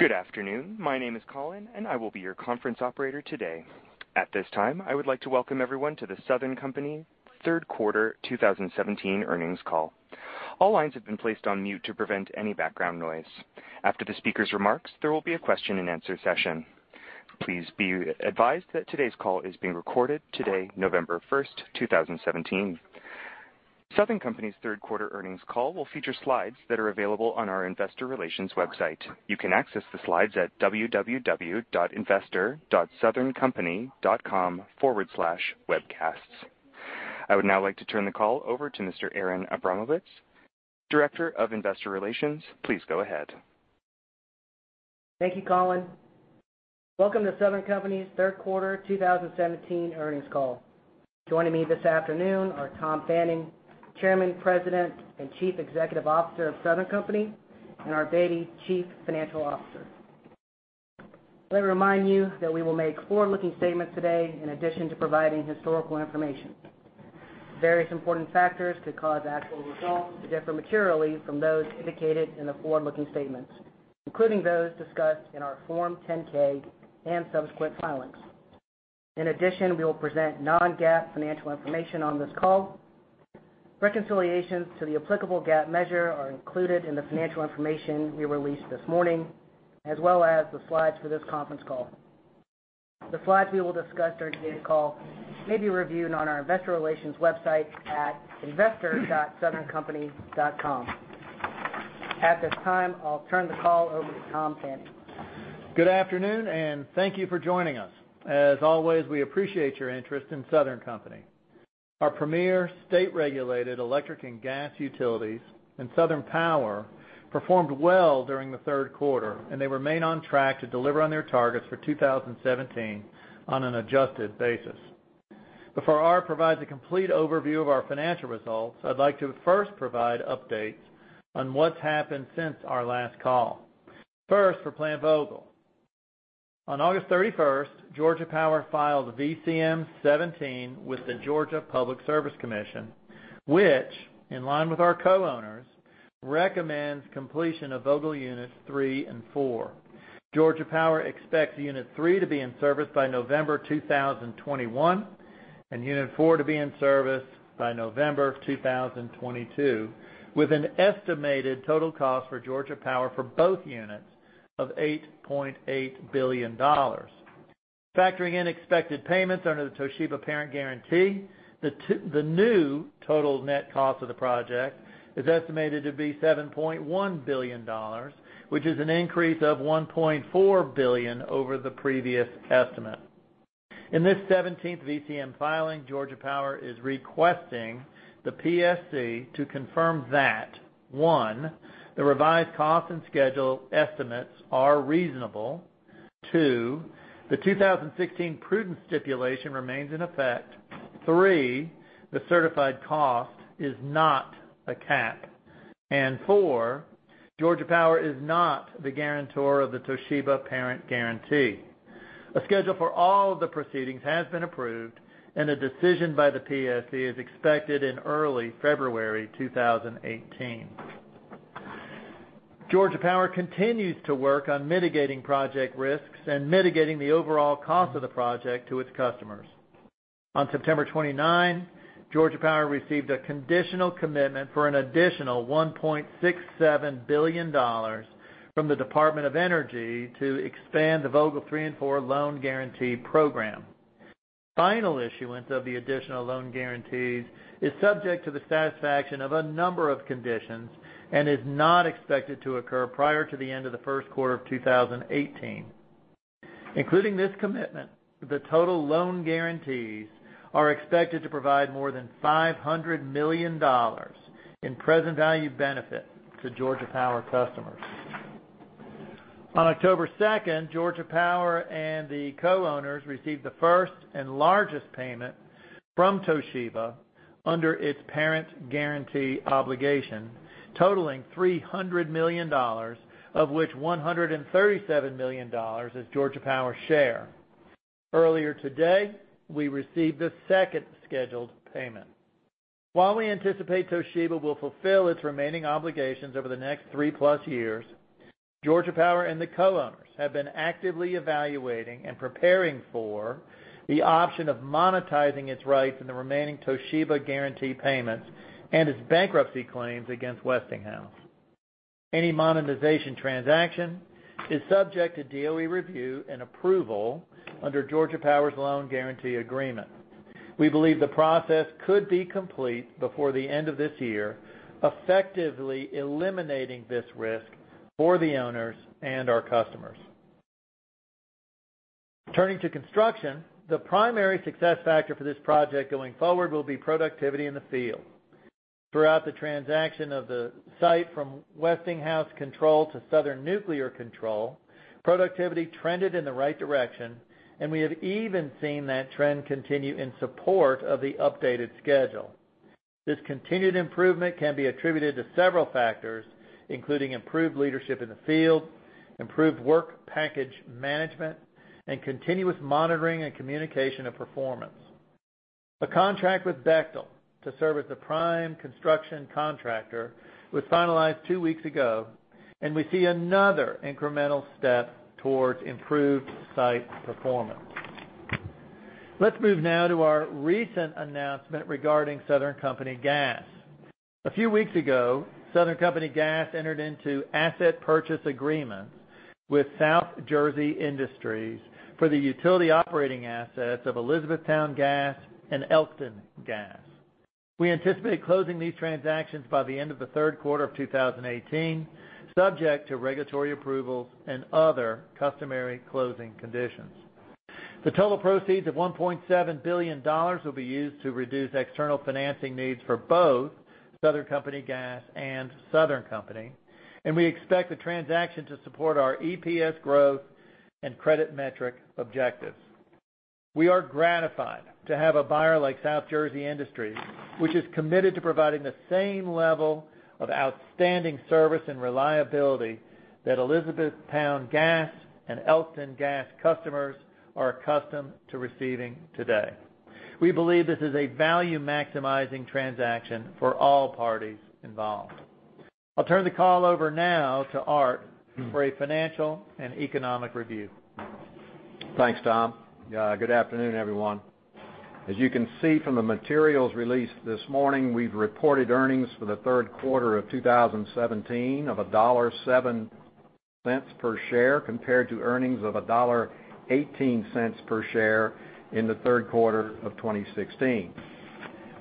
Good afternoon. My name is Colin, and I will be your conference operator today. At this time, I would like to welcome everyone to The Southern Company third quarter 2017 earnings call. All lines have been placed on mute to prevent any background noise. After the speaker's remarks, there will be a question and answer session. Please be advised that today's call is being recorded, November 1st, 2017. Southern Company's third quarter earnings call will feature slides that are available on our investor relations website. You can access the slides at www.investor.southerncompany.com/webcasts. I would now like to turn the call over to Mr. Aaron Abramovitz, Director of Investor Relations. Please go ahead. Thank you, Colin. Welcome to Southern Company's third quarter 2017 earnings call. Joining me this afternoon are Tom Fanning, Chairman, President, and Chief Executive Officer of Southern Company, and Art Beattie, Chief Financial Officer. Let me remind you that we will make forward-looking statements today in addition to providing historical information. Various important factors could cause actual results to differ materially from those indicated in the forward-looking statements, including those discussed in our Form 10-K and subsequent filings. In addition, we will present non-GAAP financial information on this call. Reconciliations to the applicable GAAP measure are included in the financial information we released this morning, as well as the slides for this conference call. The slides we will discuss during today's call may be reviewed on our investor relations website at investor.southerncompany.com. At this time, I'll turn the call over to Tom Fanning. Good afternoon, and thank you for joining us. As always, we appreciate your interest in Southern Company. Our premier state-regulated electric and gas utilities in Southern Power performed well during the third quarter, and they remain on track to deliver on their targets for 2017 on an adjusted basis. Before Art provides a complete overview of our financial results, I'd like to first provide updates on what's happened since our last call. First, for Plant Vogtle. On August 31st, Georgia Power filed VCM 17 with the Georgia Public Service Commission, which, in line with our co-owners, recommends completion of Vogtle units 3 and 4. Georgia Power expects unit 3 to be in service by November 2021 and unit 4 to be in service by November 2022, with an estimated total cost for Georgia Power for both units of $8.8 billion. Factoring in expected payments under the Toshiba parent guarantee, the new total net cost of the project is estimated to be $7.1 billion, which is an increase of $1.4 billion over the previous estimate. In this 17th VCM filing, Georgia Power is requesting the PSC to confirm that, one, the revised cost and schedule estimates are reasonable. Two, the 2016 prudence stipulation remains in effect. Three, the certified cost is not a cap. Four, Georgia Power is not the guarantor of the Toshiba parent guarantee. A schedule for all the proceedings has been approved, and a decision by the PSC is expected in early February 2018. Georgia Power continues to work on mitigating project risks and mitigating the overall cost of the project to its customers. On September 29, Georgia Power received a conditional commitment for an additional $1.67 billion from the Department of Energy to expand the Vogtle 3 and 4 loan guarantee program. Final issuance of the additional loan guarantees is subject to the satisfaction of a number of conditions and is not expected to occur prior to the end of the first quarter of 2018. Including this commitment, the total loan guarantees are expected to provide more than $500 million in present value benefit to Georgia Power customers. On October 2nd, Georgia Power and the co-owners received the first and largest payment from Toshiba under its parent guarantee obligation, totaling $300 million, of which $137 million is Georgia Power's share. Earlier today, we received the second scheduled payment. While we anticipate Toshiba will fulfill its remaining obligations over the next three-plus years, Georgia Power and the co-owners have been actively evaluating and preparing for the option of monetizing its rights in the remaining Toshiba guarantee payments and its bankruptcy claims against Westinghouse. Any monetization transaction is subject to DOE review and approval under Georgia Power's loan guarantee agreement. We believe the process could be complete before the end of this year, effectively eliminating this risk for the owners and our customers. Turning to construction, the primary success factor for this project going forward will be productivity in the field. Throughout the transaction of the site from Westinghouse control to Southern Nuclear control, productivity trended in the right direction, and we have even seen that trend continue in support of the updated schedule. This continued improvement can be attributed to several factors, including improved leadership in the field, improved work package management, and continuous monitoring and communication of performance. The contract with Bechtel to serve as the prime construction contractor was finalized two weeks ago. We see another incremental step towards improved site performance. Let's move now to our recent announcement regarding Southern Company Gas. A few weeks ago, Southern Company Gas entered into asset purchase agreements with South Jersey Industries for the utility operating assets of Elizabethtown Gas and Elkton Gas. We anticipate closing these transactions by the end of the third quarter of 2018, subject to regulatory approvals and other customary closing conditions. The total proceeds of $1.7 billion will be used to reduce external financing needs for both Southern Company Gas and Southern Company, and we expect the transaction to support our EPS growth and credit metric objectives. We are gratified to have a buyer like South Jersey Industries, which is committed to providing the same level of outstanding service and reliability that Elizabethtown Gas and Elkton Gas customers are accustomed to receiving today. We believe this is a value-maximizing transaction for all parties involved. I'll turn the call over now to Art for a financial and economic review. Thanks, Tom. Good afternoon, everyone. As you can see from the materials released this morning, we've reported earnings for the third quarter of 2017 of $1.07 per share, compared to earnings of $1.18 per share in the third quarter of 2016.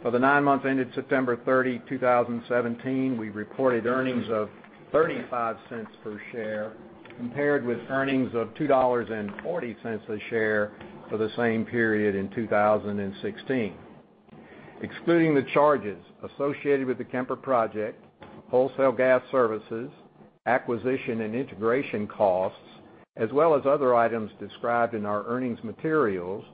For the nine months ended September 30, 2017, we reported earnings of $0.35 per share, compared with earnings of $2.40 per share for the same period in 2016. Excluding the charges associated with the Kemper project, wholesale gas services, acquisition and integration costs, as well as other items described in our earnings materials,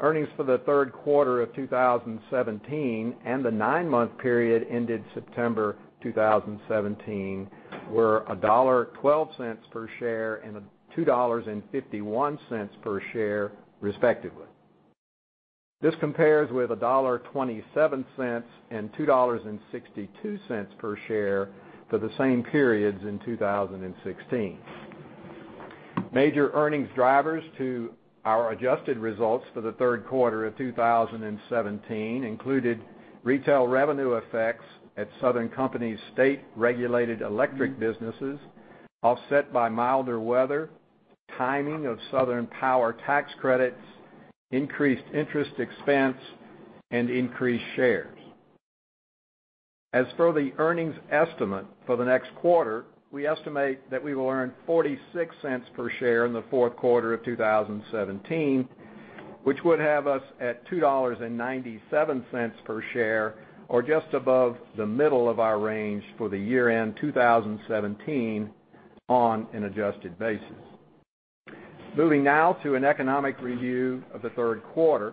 earnings for the third quarter of 2017 and the nine-month period ended September 2017 were $1.12 per share and $2.51 per share, respectively. This compares with $1.27 and $2.62 per share for the same periods in 2016. Major earnings drivers to our adjusted results for the third quarter of 2017 included retail revenue effects at The Southern Company's state-regulated electric businesses, offset by milder weather, timing of Southern Power tax credits, increased interest expense, and increased shares. As for the earnings estimate for the next quarter, we estimate that we will earn $0.46 per share in the fourth quarter of 2017, which would have us at $2.97 per share, or just above the middle of our range for the year-end 2017 on an adjusted basis. Moving now to an economic review of the third quarter.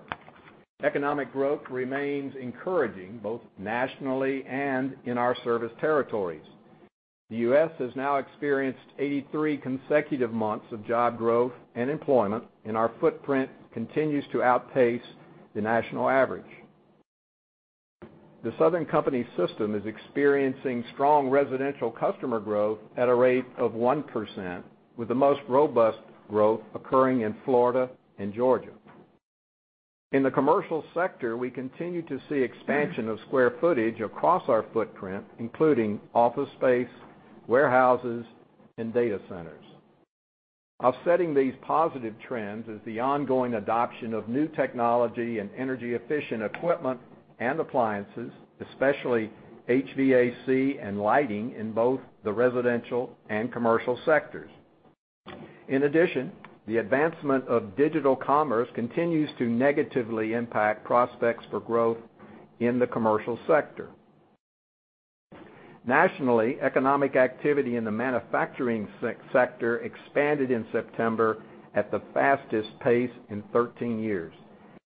Economic growth remains encouraging, both nationally and in our service territories. The U.S. has now experienced 83 consecutive months of job growth and employment, and our footprint continues to outpace the national average. The Southern Company system is experiencing strong residential customer growth at a rate of 1%, with the most robust growth occurring in Florida and Georgia. In the commercial sector, we continue to see expansion of square footage across our footprint, including office space, warehouses, and data centers. Offsetting these positive trends is the ongoing adoption of new technology and energy-efficient equipment and appliances, especially HVAC and lighting in both the residential and commercial sectors. In addition, the advancement of digital commerce continues to negatively impact prospects for growth in the commercial sector. Nationally, economic activity in the manufacturing sector expanded in September at the fastest pace in 13 years,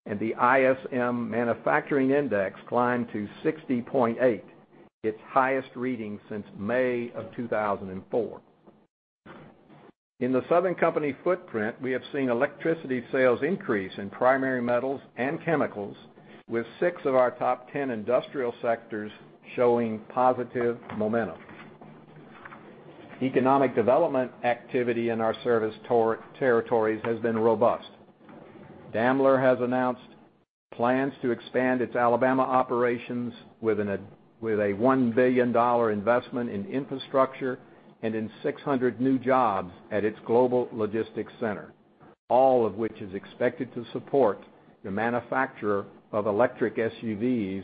and the ISM Manufacturing Index climbed to 60.8, its highest reading since May of 2004. In The Southern Company footprint, we have seen electricity sales increase in primary metals and chemicals, with six of our top 10 industrial sectors showing positive momentum. Economic development activity in our service territories has been robust. Daimler has announced plans to expand its Alabama operations with a $1 billion investment in infrastructure and in 600 new jobs at its global logistics center, all of which is expected to support the manufacture of electric SUVs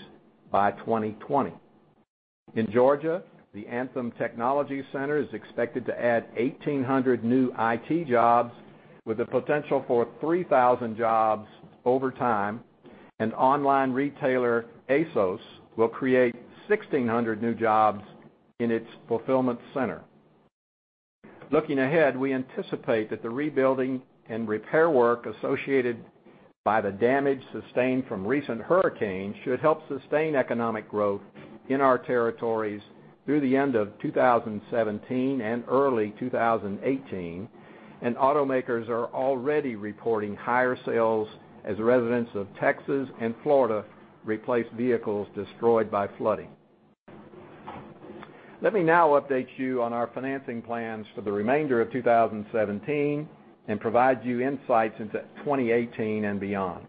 by 2020. In Georgia, the Anthem Technology Center is expected to add 1,800 new IT jobs with the potential for 3,000 jobs over time. An online retailer, ASOS, will create 1,600 new jobs in its fulfillment center. Looking ahead, we anticipate that the rebuilding and repair work associated by the damage sustained from recent hurricanes should help sustain economic growth in our territories through the end of 2017 and early 2018. Automakers are already reporting higher sales as residents of Texas and Florida replace vehicles destroyed by flooding. Let me now update you on our financing plans for the remainder of 2017 and provide you insights into 2018 and beyond.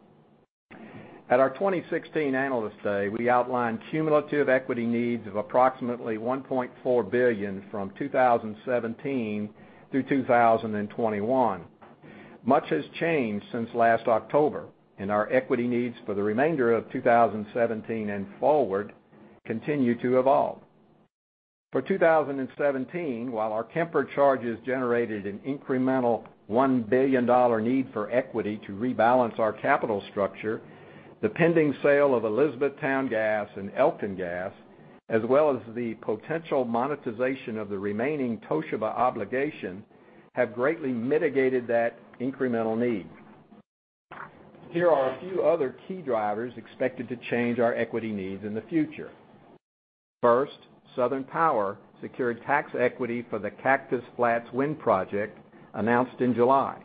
At our 2016 Analyst Day, we outlined cumulative equity needs of approximately $1.4 billion from 2017 through 2021. Much has changed since last October, our equity needs for the remainder of 2017 and forward continue to evolve. For 2017, while our Kemper charges generated an incremental $1 billion need for equity to rebalance our capital structure, the pending sale of Elizabethtown Gas and Elkton Gas, as well as the potential monetization of the remaining Toshiba obligation, have greatly mitigated that incremental need. Here are a few other key drivers expected to change our equity needs in the future. First, Southern Power secured tax equity for the Cactus Flats Wind Facility announced in July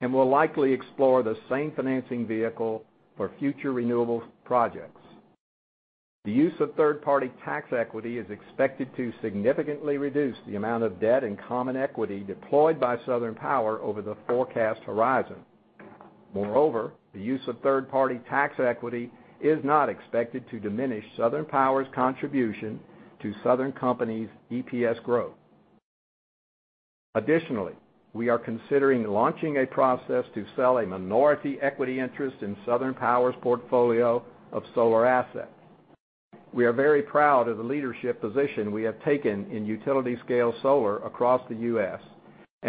and will likely explore the same financing vehicle for future renewable projects. The use of third-party tax equity is expected to significantly reduce the amount of debt and common equity deployed by Southern Power over the forecast horizon. Moreover, the use of third-party tax equity is not expected to diminish Southern Power's contribution to Southern Company's EPS growth. Additionally, we are considering launching a process to sell a minority equity interest in Southern Power's portfolio of solar assets. We are very proud of the leadership position we have taken in utility-scale solar across the U.S.,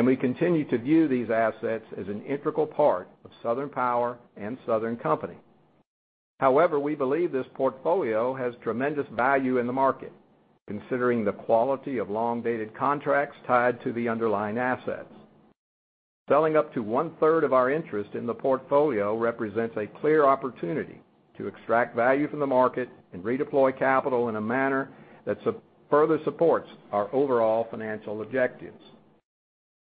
we continue to view these assets as an integral part of Southern Power and Southern Company. However, we believe this portfolio has tremendous value in the market, considering the quality of long-dated contracts tied to the underlying assets. Selling up to one-third of our interest in the portfolio represents a clear opportunity to extract value from the market and redeploy capital in a manner that further supports our overall financial objectives.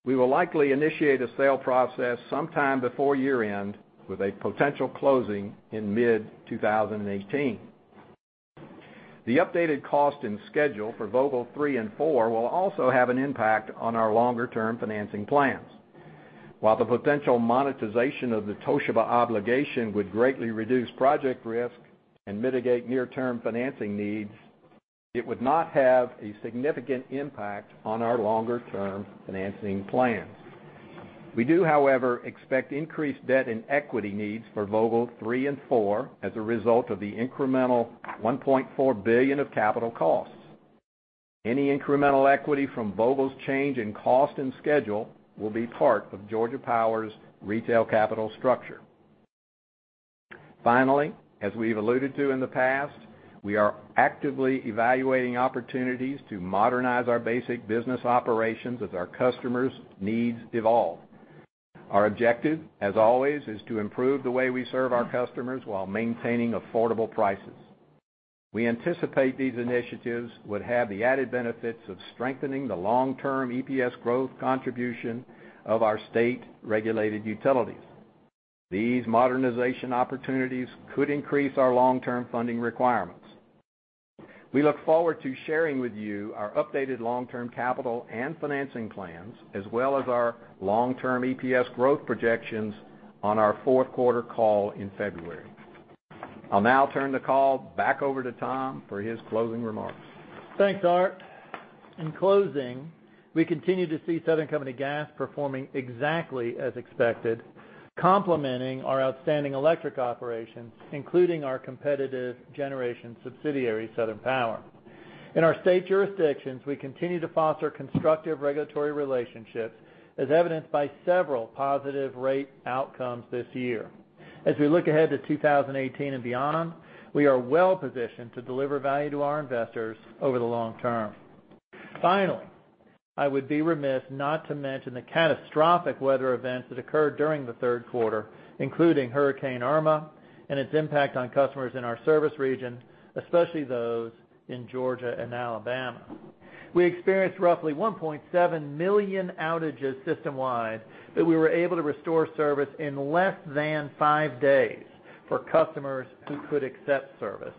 We will likely initiate a sale process sometime before year-end, with a potential closing in mid-2018. The updated cost and schedule for Vogtle 3 and 4 will also have an impact on our longer-term financing plans. While the potential monetization of the Toshiba obligation would greatly reduce project risk and mitigate near-term financing needs, it would not have a significant impact on our longer-term financing plans. We do, however, expect increased debt and equity needs for Vogtle 3 and 4 as a result of the incremental $1.4 billion of capital costs. Any incremental equity from Vogtle's change in cost and schedule will be part of Georgia Power's retail capital structure. Finally, as we've alluded to in the past, we are actively evaluating opportunities to modernize our basic business operations as our customers' needs evolve. Our objective, as always, is to improve the way we serve our customers while maintaining affordable prices. We anticipate these initiatives would have the added benefits of strengthening the long-term EPS growth contribution of our state-regulated utilities. These modernization opportunities could increase our long-term funding requirements. We look forward to sharing with you our updated long-term capital and financing plans, as well as our long-term EPS growth projections on our fourth quarter call in February. I'll now turn the call back over to Tom for his closing remarks. Thanks, Art. In closing, we continue to see Southern Company Gas performing exactly as expected, complementing our outstanding electric operations, including our competitive generation subsidiary, Southern Power. In our state jurisdictions, we continue to foster constructive regulatory relationships, as evidenced by several positive rate outcomes this year. As we look ahead to 2018 and beyond, we are well-positioned to deliver value to our investors over the long term. Finally, I would be remiss not to mention the catastrophic weather events that occurred during the third quarter, including Hurricane Irma and its impact on customers in our service region, especially those in Georgia and Alabama. We experienced roughly 1.7 million outages system-wide that we were able to restore service in less than five days for customers who could accept service,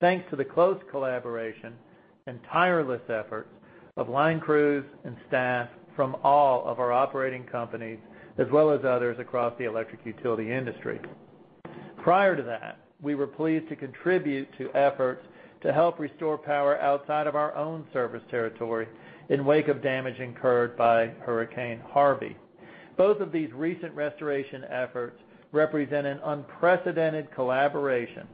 thanks to the close collaboration and tireless efforts of line crews and staff from all of our operating companies, as well as others across the electric utility industry. Prior to that, we were pleased to contribute to efforts to help restore power outside of our own service territory in wake of damage incurred by Hurricane Harvey. Both of these recent restoration efforts represent an unprecedented collaboration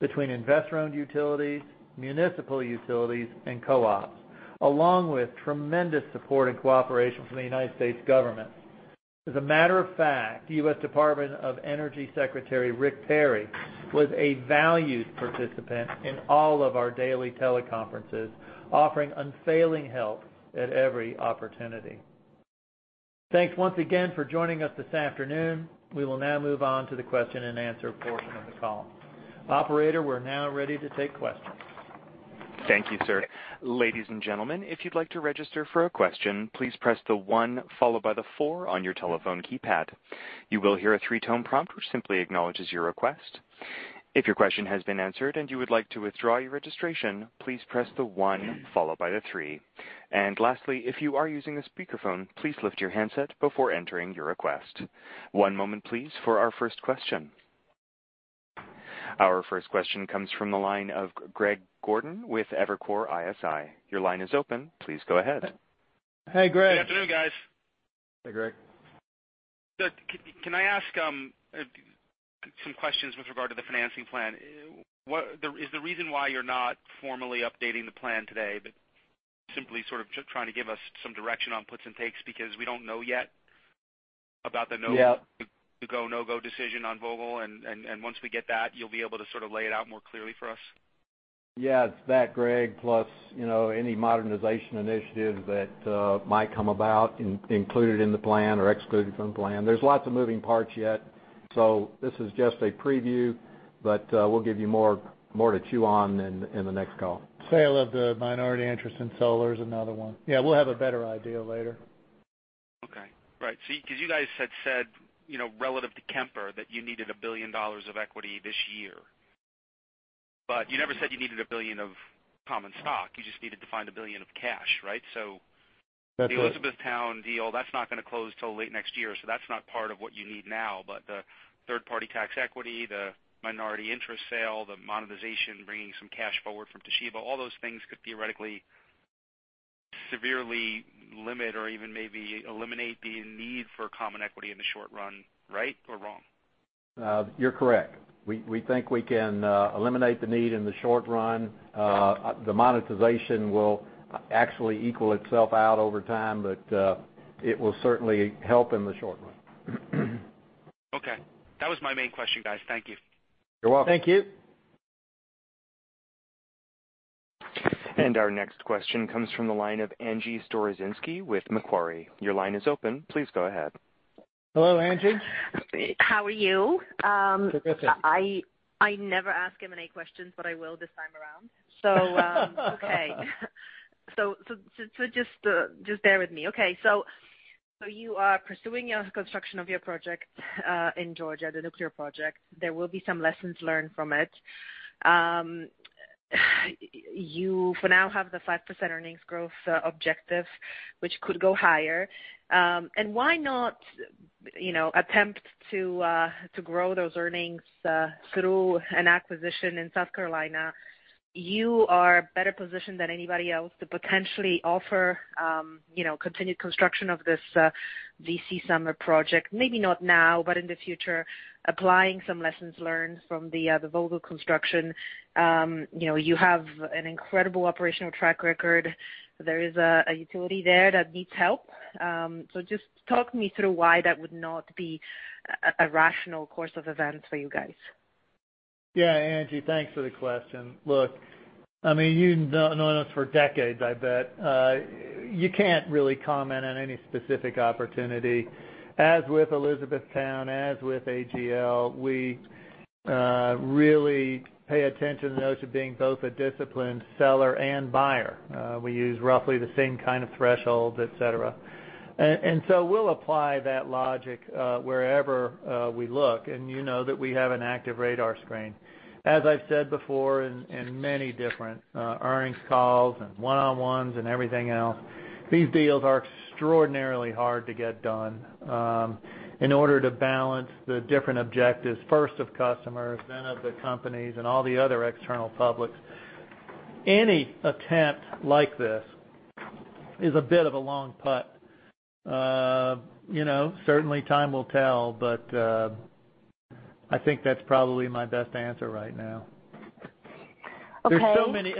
between investor-owned utilities, municipal utilities, and co-ops, along with tremendous support and cooperation from the United States government. As a matter of fact, the U.S. Department of Energy Secretary, Rick Perry, was a valued participant in all of our daily teleconferences, offering unfailing help at every opportunity. Thanks once again for joining us this afternoon. We will now move on to the question-and-answer portion of the call. Operator, we're now ready to take questions. Thank you, sir. Ladies and gentlemen, if you'd like to register for a question, please press the one followed by the four on your telephone keypad. You will hear a 3-tone prompt which simply acknowledges your request. If your question has been answered and you would like to withdraw your registration, please press the one followed by the three. Lastly, if you are using a speakerphone, please lift your handset before entering your request. One moment please for our first question. Our first question comes from the line of Greg Gordon with Evercore ISI. Your line is open. Please go ahead. Hey, Greg. Good afternoon, guys. Hey, Greg. Can I ask some questions with regard to the financing plan? Is the reason why you're not formally updating the plan today, but simply sort of trying to give us some direction on puts and takes because we don't know yet about the go, no-go decision on Vogtle, and once we get that, you'll be able to sort of lay it out more clearly for us? Yeah, it's that, Greg, plus any modernization initiative that might come about included in the plan or excluded from the plan. There's lots of moving parts yet, so this is just a preview, but we'll give you more to chew on in the next call. Sale of the minority interest in solar is another one. Yeah, we'll have a better idea later. Okay. Right. Because you guys had said, relative to Kemper, that you needed $1 billion of equity this year. You never said you needed $1 billion of common stock. You just needed to find $1 billion of cash, right? That's it the Elizabethtown deal, that's not going to close till late next year. That's not part of what you need now. The third-party tax equity, the minority interest sale, the monetization, bringing some cash forward from Toshiba, all those things could theoretically severely limit or even maybe eliminate the need for common equity in the short run. Right or wrong? You're correct. We think we can eliminate the need in the short run. The monetization will actually equal itself out over time, but it will certainly help in the short run. Okay. That was my main question, guys. Thank you. You're welcome. Thank you. Our next question comes from the line of Angie Storozynski with Macquarie. Your line is open. Please go ahead. Hello, Angie. How are you? Terrific. I never ask M&A questions, but I will this time around. Okay. Just bear with me. Okay. You are pursuing your construction of your project in Georgia, the nuclear project. There will be some lessons learned from it. You, for now, have the 5% earnings growth objective, which could go higher. Why not attempt to grow those earnings through an acquisition in South Carolina? You are better positioned than anybody else to potentially offer continued construction of this V.C. Summer project. Maybe not now, but in the future, applying some lessons learned from the Vogtle construction. You have an incredible operational track record. There is a utility there that needs help. Just talk me through why that would not be a rational course of events for you guys. Yeah, Angie, thanks for the question. Look, you've known us for decades, I bet. You can't really comment on any specific opportunity. As with Elizabethtown, as with AGL, we really pay attention to the notion of being both a disciplined seller and buyer. We use roughly the same kind of thresholds, et cetera. We'll apply that logic wherever we look. You know that we have an active radar screen. As I've said before in many different earnings calls and one-on-ones and everything else, these deals are extraordinarily hard to get done in order to balance the different objectives, first of customers, then of the companies and all the other external publics. Any attempt like this is a bit of a long putt. Certainly time will tell, but I think that's probably my best answer right now. Okay. There's so many,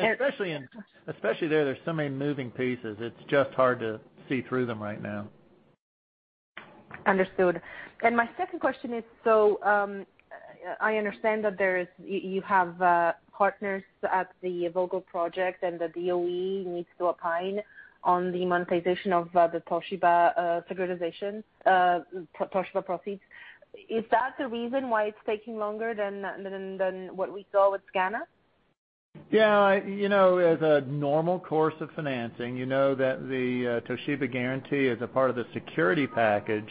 especially there, so many moving pieces. It's just hard to see through them right now. Understood. My second question is, I understand that you have partners at the Vogtle project and the DOE needs to opine on the monetization of the Toshiba securitization, Toshiba proceeds. Is that the reason why it's taking longer than what we saw with SCANA? Yeah. As a normal course of financing, you know that the Toshiba guarantee is a part of the security package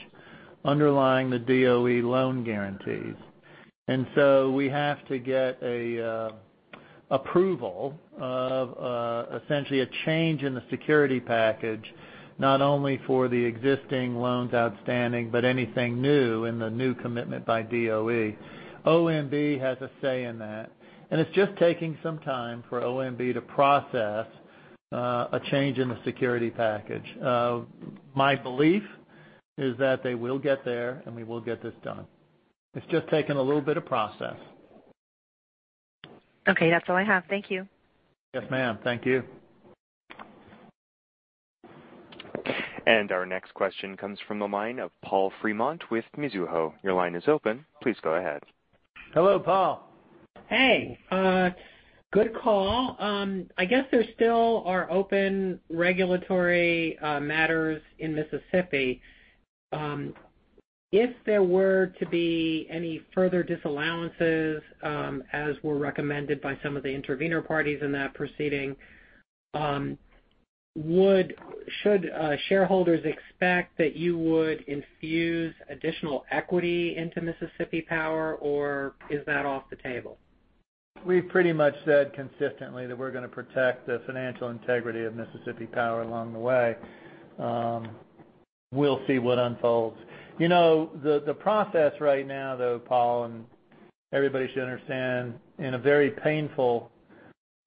underlying the DOE loan guarantees. We have to get approval of essentially a change in the security package, not only for the existing loans outstanding, but anything new in the new commitment by DOE. OMB has a say in that, and it's just taking some time for OMB to process a change in the security package. My belief is that they will get there, and we will get this done. It's just taken a little bit of process. Okay. That's all I have. Thank you. Yes, ma'am. Thank you. Our next question comes from the line of Paul Fremont with Mizuho. Your line is open. Please go ahead. Hello, Paul. Hey. Good call. I guess there still are open regulatory matters in Mississippi. If there were to be any further disallowances as were recommended by some of the intervener parties in that proceeding, should shareholders expect that you would infuse additional equity into Mississippi Power, or is that off the table? We've pretty much said consistently that we're going to protect the financial integrity of Mississippi Power along the way. We'll see what unfolds. The process right now, though, Paul, and everybody should understand, in a very painful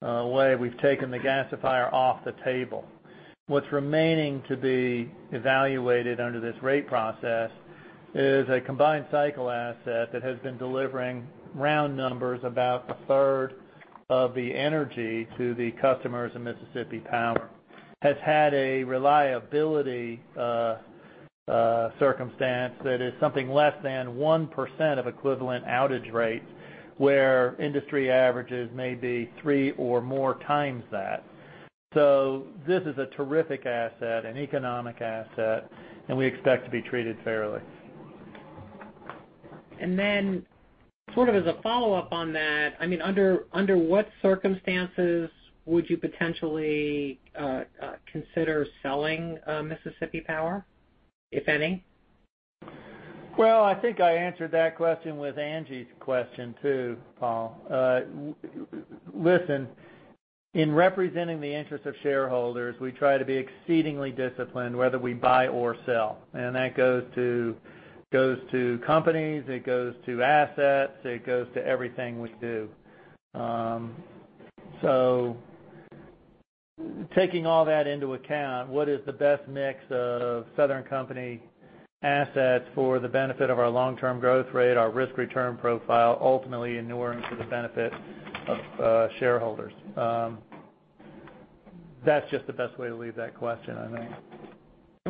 way, we've taken the gasifier off the table. What's remaining to be evaluated under this rate process is a combined cycle asset that has been delivering round numbers about a third of the energy to the customers of Mississippi Power. Has had a reliability circumstance that is something less than 1% of equivalent outage rates, where industry averages may be three or more times that. This is a terrific asset, an economic asset, and we expect to be treated fairly. Under what circumstances would you potentially consider selling Mississippi Power, if any? Well, I think I answered that question with Angie's question too, Paul. Listen, in representing the interest of shareholders, we try to be exceedingly disciplined whether we buy or sell. That goes to companies, it goes to assets, it goes to everything we do. Taking all that into account, what is the best mix of Southern Company assets for the benefit of our long-term growth rate, our risk-return profile, ultimately inuring to the benefit of shareholders? That's just the best way to leave that question, I think.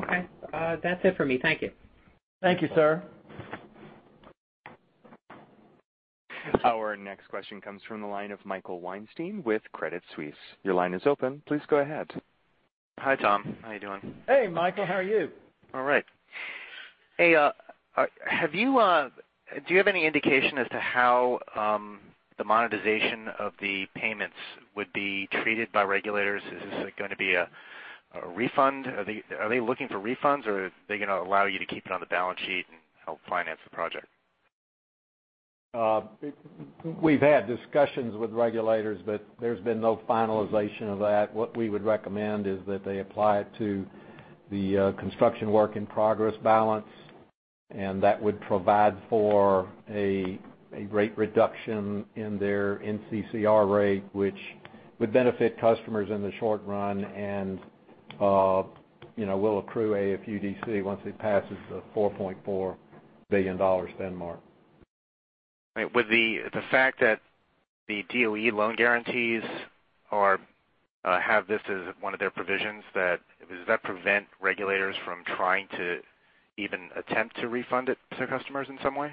Okay. That's it for me. Thank you. Thank you, sir. Our next question comes from the line of Michael Weinstein with Credit Suisse. Your line is open. Please go ahead. Hi, Tom. How you doing? Hey, Michael. How are you? All right. Hey, do you have any indication as to how the monetization of the payments would be treated by regulators? Is this going to be a refund? Are they looking for refunds, or are they going to allow you to keep it on the balance sheet and help finance the project? We've had discussions with regulators, there's been no finalization of that. What we would recommend is that they apply it to the construction work in progress balance, that would provide for a rate reduction in their NCCR rate, which would benefit customers in the short run and will accrue AFUDC once it passes the $4.4 billion spend mark. Right. With the fact that the DOE loan guarantees have this as one of their provisions, does that prevent regulators from trying to even attempt to refund it to customers in some way?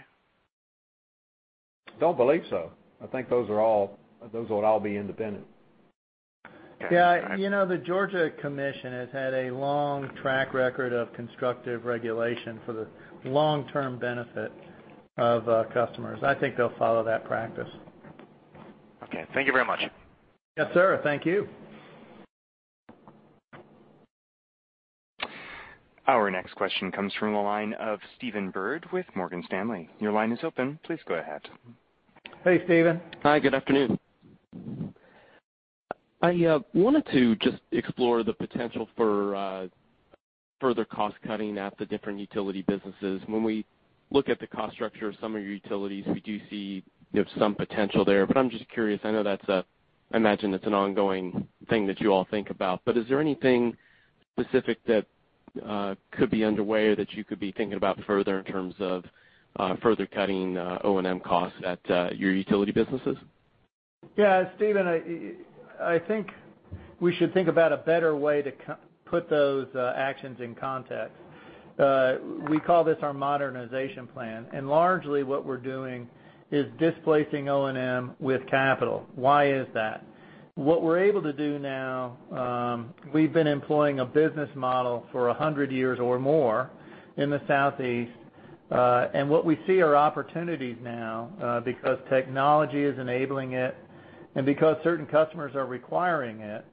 Don't believe so. I think those would all be independent. Yeah. The Georgia Commission has had a long track record of constructive regulation for the long-term benefit of customers. I think they'll follow that practice. Okay. Thank you very much. Yes, sir. Thank you. Our next question comes from the line of Steven Byrd with Morgan Stanley. Your line is open. Please go ahead. Hey, Steven. Hi, good afternoon. I wanted to just explore the potential for further cost cutting at the different utility businesses. I'm just curious, I imagine it's an ongoing thing that you all think about, but is there anything specific that could be underway that you could be thinking about further in terms of further cutting O&M costs at your utility businesses? Yeah, Steven, I think we should think about a better way to put those actions in context. We call this our modernization plan, and largely what we're doing is displacing O&M with capital. Why is that? What we're able to do now, we've been employing a business model for 100 years or more in the Southeast. What we see are opportunities now because technology is enabling it, and because certain customers are requiring it.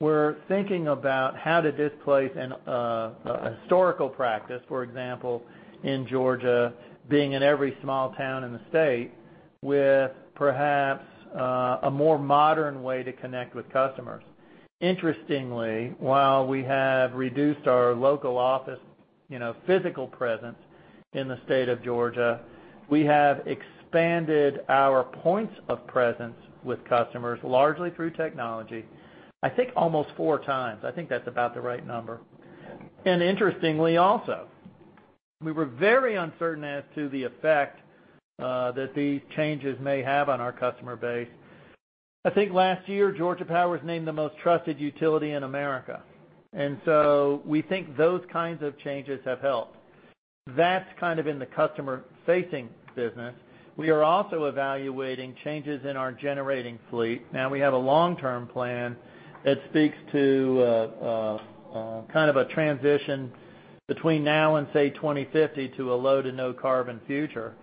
We're thinking about how to displace an historical practice, for example, in Georgia, being in every small town in the state with perhaps a more modern way to connect with customers. Interestingly, while we have reduced our local office physical presence in the state of Georgia, we have expanded our points of presence with customers largely through technology, I think almost four times. I think that's about the right number. Interestingly also, we were very uncertain as to the effect that these changes may have on our customer base. I think last year, Georgia Power was named the most trusted utility in America. We think those kinds of changes have helped. That's kind of in the customer-facing business. We are also evaluating changes in our generating fleet. Now we have a long-term plan that speaks to a transition between now and, say, 2050 to a low to no carbon future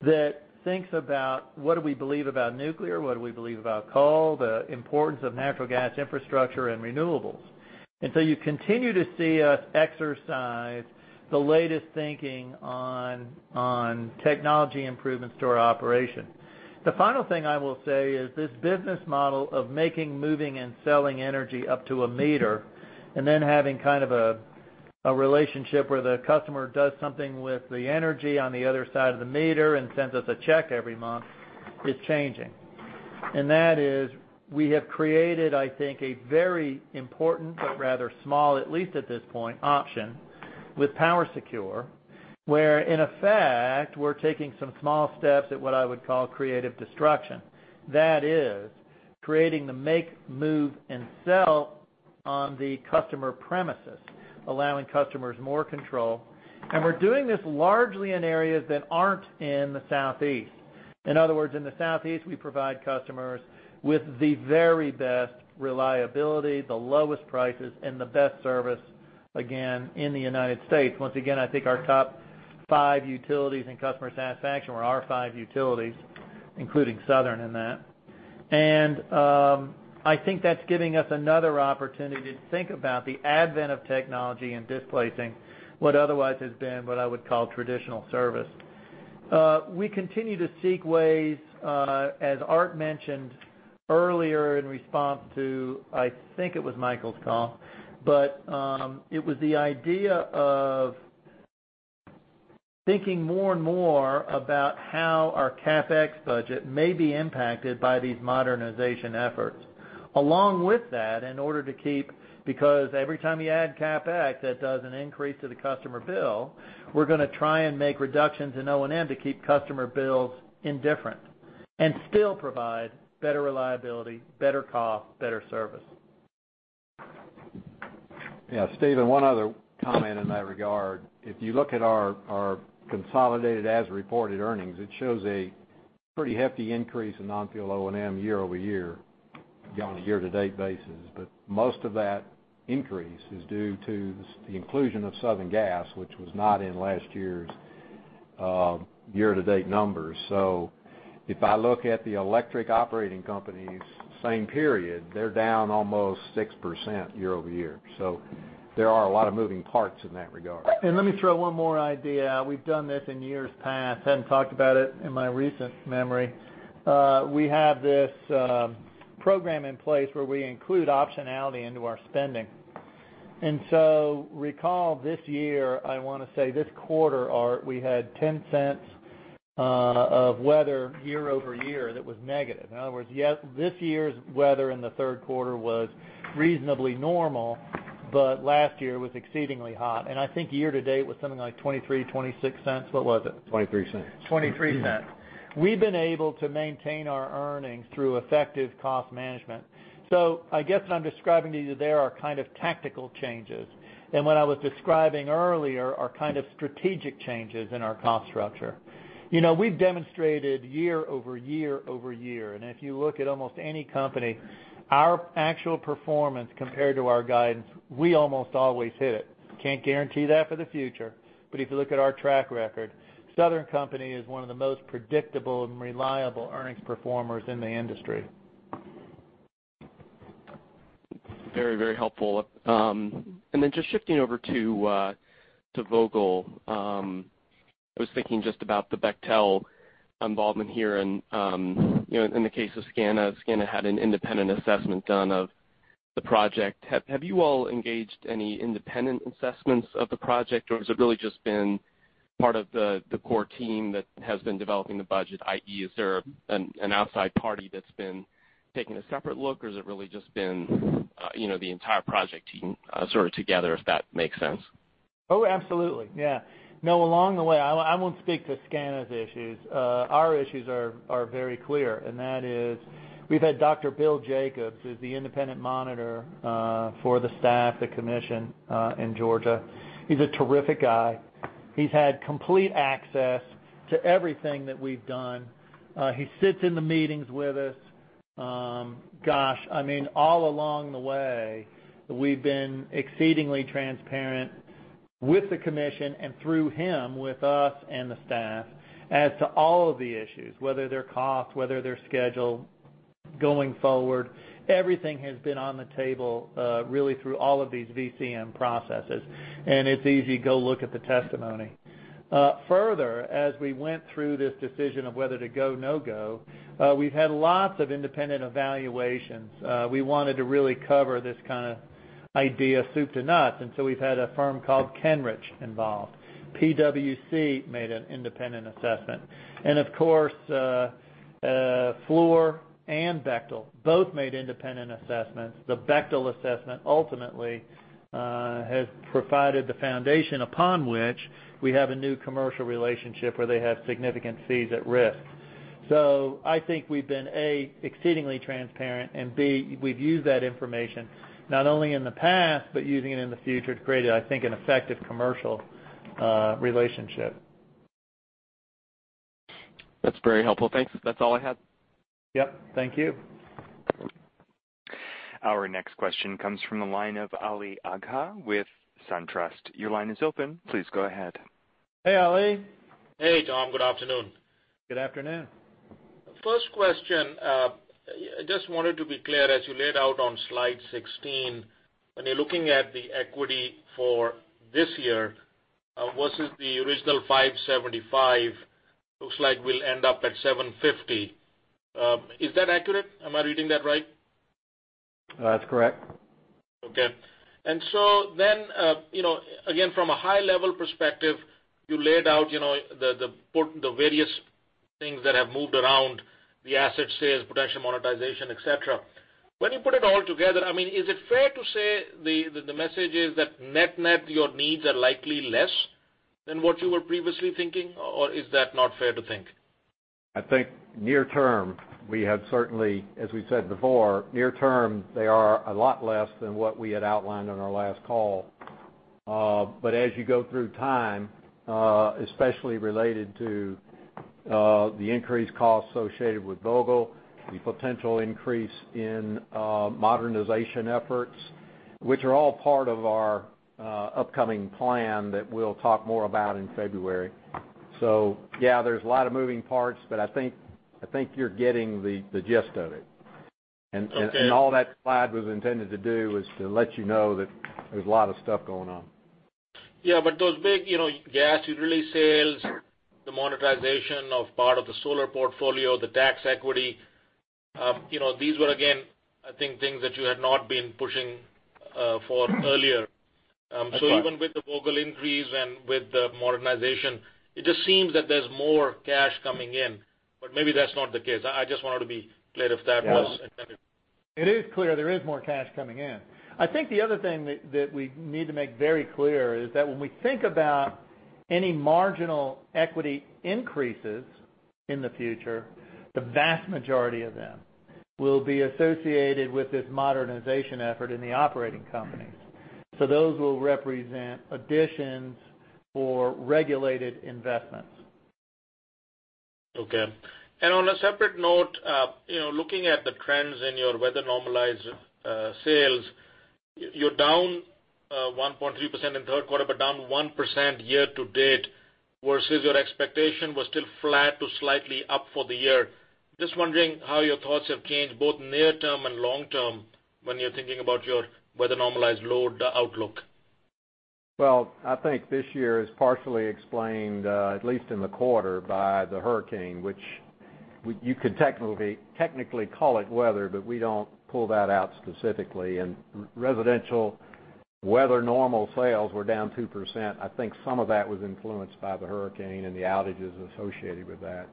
that thinks about what do we believe about nuclear, what do we believe about coal, the importance of natural gas infrastructure and renewables. You continue to see us exercise the latest thinking on technology improvements to our operation. The final thing I will say is this business model of making, moving, and selling energy up to a meter, and then having a relationship where the customer does something with the energy on the other side of the meter and sends us a check every month, is changing. That is, we have created, I think, a very important but rather small, at least at this point, option with PowerSecure, where in effect, we're taking some small steps at what I would call creative destruction. That is, creating the make, move, and sell on the customer premises, allowing customers more control. We're doing this largely in areas that aren't in the Southeast. In other words, in the Southeast, we provide customers with the very best reliability, the lowest prices, and the best service, again, in the U.S. Once again, I think our top five utilities in customer satisfaction were our five utilities, including Southern in that. I think that's giving us another opportunity to think about the advent of technology in displacing what otherwise has been what I would call traditional service. We continue to seek ways, as Art mentioned earlier in response to, I think it was Michael's call. It was the idea of thinking more and more about how our CapEx budget may be impacted by these modernization efforts. Along with that, in order to keep because every time you add CapEx, that does an increase to the customer bill. We're going to try and make reductions in O&M to keep customer bills indifferent and still provide better reliability, better cost, better service. Yeah, Steven, one other comment in that regard. If you look at our consolidated as-reported earnings, it shows a pretty hefty increase in non-fuel O&M year-over-year on a year-to-date basis. Most of that increase is due to the inclusion of Southern Gas, which was not in last year's year-to-date numbers. If I look at the electric operating companies, same period, they're down almost 6% year-over-year. There are a lot of moving parts in that regard. Let me throw one more idea. We've done this in years past. Haven't talked about it in my recent memory. We have this program in place where we include optionality into our spending. Recall this year, I want to say this quarter, Art, we had $0.10 of weather year-over-year that was negative. In other words, this year's weather in the third quarter was reasonably normal, but last year was exceedingly hot. I think year-to-date was something like $0.23, $0.26. What was it? $0.23. $0.23. We've been able to maintain our earnings through effective cost management. I guess what I'm describing to you there are kind of tactical changes. What I was describing earlier are kind of strategic changes in our cost structure. We've demonstrated year-over-year over year, and if you look at almost any company, our actual performance compared to our guidance, we almost always hit it. Can't guarantee that for the future, but if you look at our track record, Southern Company is one of the most predictable and reliable earnings performers in the industry. Very helpful. Just shifting over to Vogtle. I was thinking just about the Bechtel involvement here and in the case of SCANA had an independent assessment done of the project. Have you all engaged any independent assessments of the project or has it really just been part of the core team that has been developing the budget, i.e., is there an outside party that's been taking a separate look or has it really just been the entire project team sort of together, if that makes sense? Absolutely. No, along the way, I won't speak to SCANA's issues. Our issues are very clear, and that is we've had Dr. Bill Jacobs, who's the independent monitor for the staff, the commission in Georgia. He's a terrific guy. He's had complete access to everything that we've done. He sits in the meetings with us. All along the way, we've been exceedingly transparent with the commission and through him, with us and the staff as to all of the issues, whether they're cost, whether they're schedule going forward. Everything has been on the table really through all of these VCM processes. It's easy. Go look at the testimony. Further, as we went through this decision of whether to go, no-go, we've had lots of independent evaluations. We wanted to really cover this kind of idea soup to nuts. We've had a firm called Kenrich involved. PwC made an independent assessment. Of course, Fluor and Bechtel both made independent assessments. The Bechtel assessment ultimately has provided the foundation upon which we have a new commercial relationship where they have significant fees at risk. I think we've been, A, exceedingly transparent, and B, we've used that information not only in the past, but using it in the future to create, I think, an effective commercial relationship. That's very helpful. Thanks. That's all I had. Yep. Thank you. Our next question comes from the line of Ali Agha with SunTrust. Your line is open. Please go ahead. Hey, Ali. Hey, Tom. Good afternoon. Good afternoon. First question. I just wanted to be clear, as you laid out on slide 16, when you're looking at the equity for this year versus the original $575, looks like we'll end up at $750. Is that accurate? Am I reading that right? That's correct. Okay. Again, from a high-level perspective, you laid out the various things that have moved around, the asset sales, potential monetization, et cetera. When you put it all together, is it fair to say the message is that net-net, your needs are likely less than what you were previously thinking, or is that not fair to think? I think near term, we have certainly, as we said before, near term, they are a lot less than what we had outlined on our last call. As you go through time, especially related to the increased cost associated with Vogtle, the potential increase in modernization efforts, which are all part of our upcoming plan that we'll talk more about in February. Yeah, there's a lot of moving parts, but I think you're getting the gist of it. Okay. All that slide was intended to do was to let you know that there's a lot of stuff going on. Yeah, those big gas utility sales, the monetization of part of the solar portfolio, the tax equity, these were, again, I think things that you had not been pushing for earlier. That's right. Even with the Vogtle increase and with the modernization, it just seems that there's more cash coming in. Maybe that's not the case. I just wanted to be clear if that was intended. It is clear there is more cash coming in. I think the other thing that we need to make very clear is that when we think about any marginal equity increases in the future, the vast majority of them will be associated with this modernization effort in the operating companies. Those will represent additions for regulated investments. Okay. On a separate note, looking at the trends in your weather-normalized sales, you're down 1.3% in third quarter, but down 1% year-to-date, versus your expectation was still flat to slightly up for the year. Just wondering how your thoughts have changed both near term and long term when you're thinking about your weather-normalized load outlook. Well, I think this year is partially explained, at least in the quarter, by the hurricane, which you could technically call it weather, but we don't pull that out specifically. Residential weather normal sales were down 2%. I think some of that was influenced by the hurricane and the outages associated with that.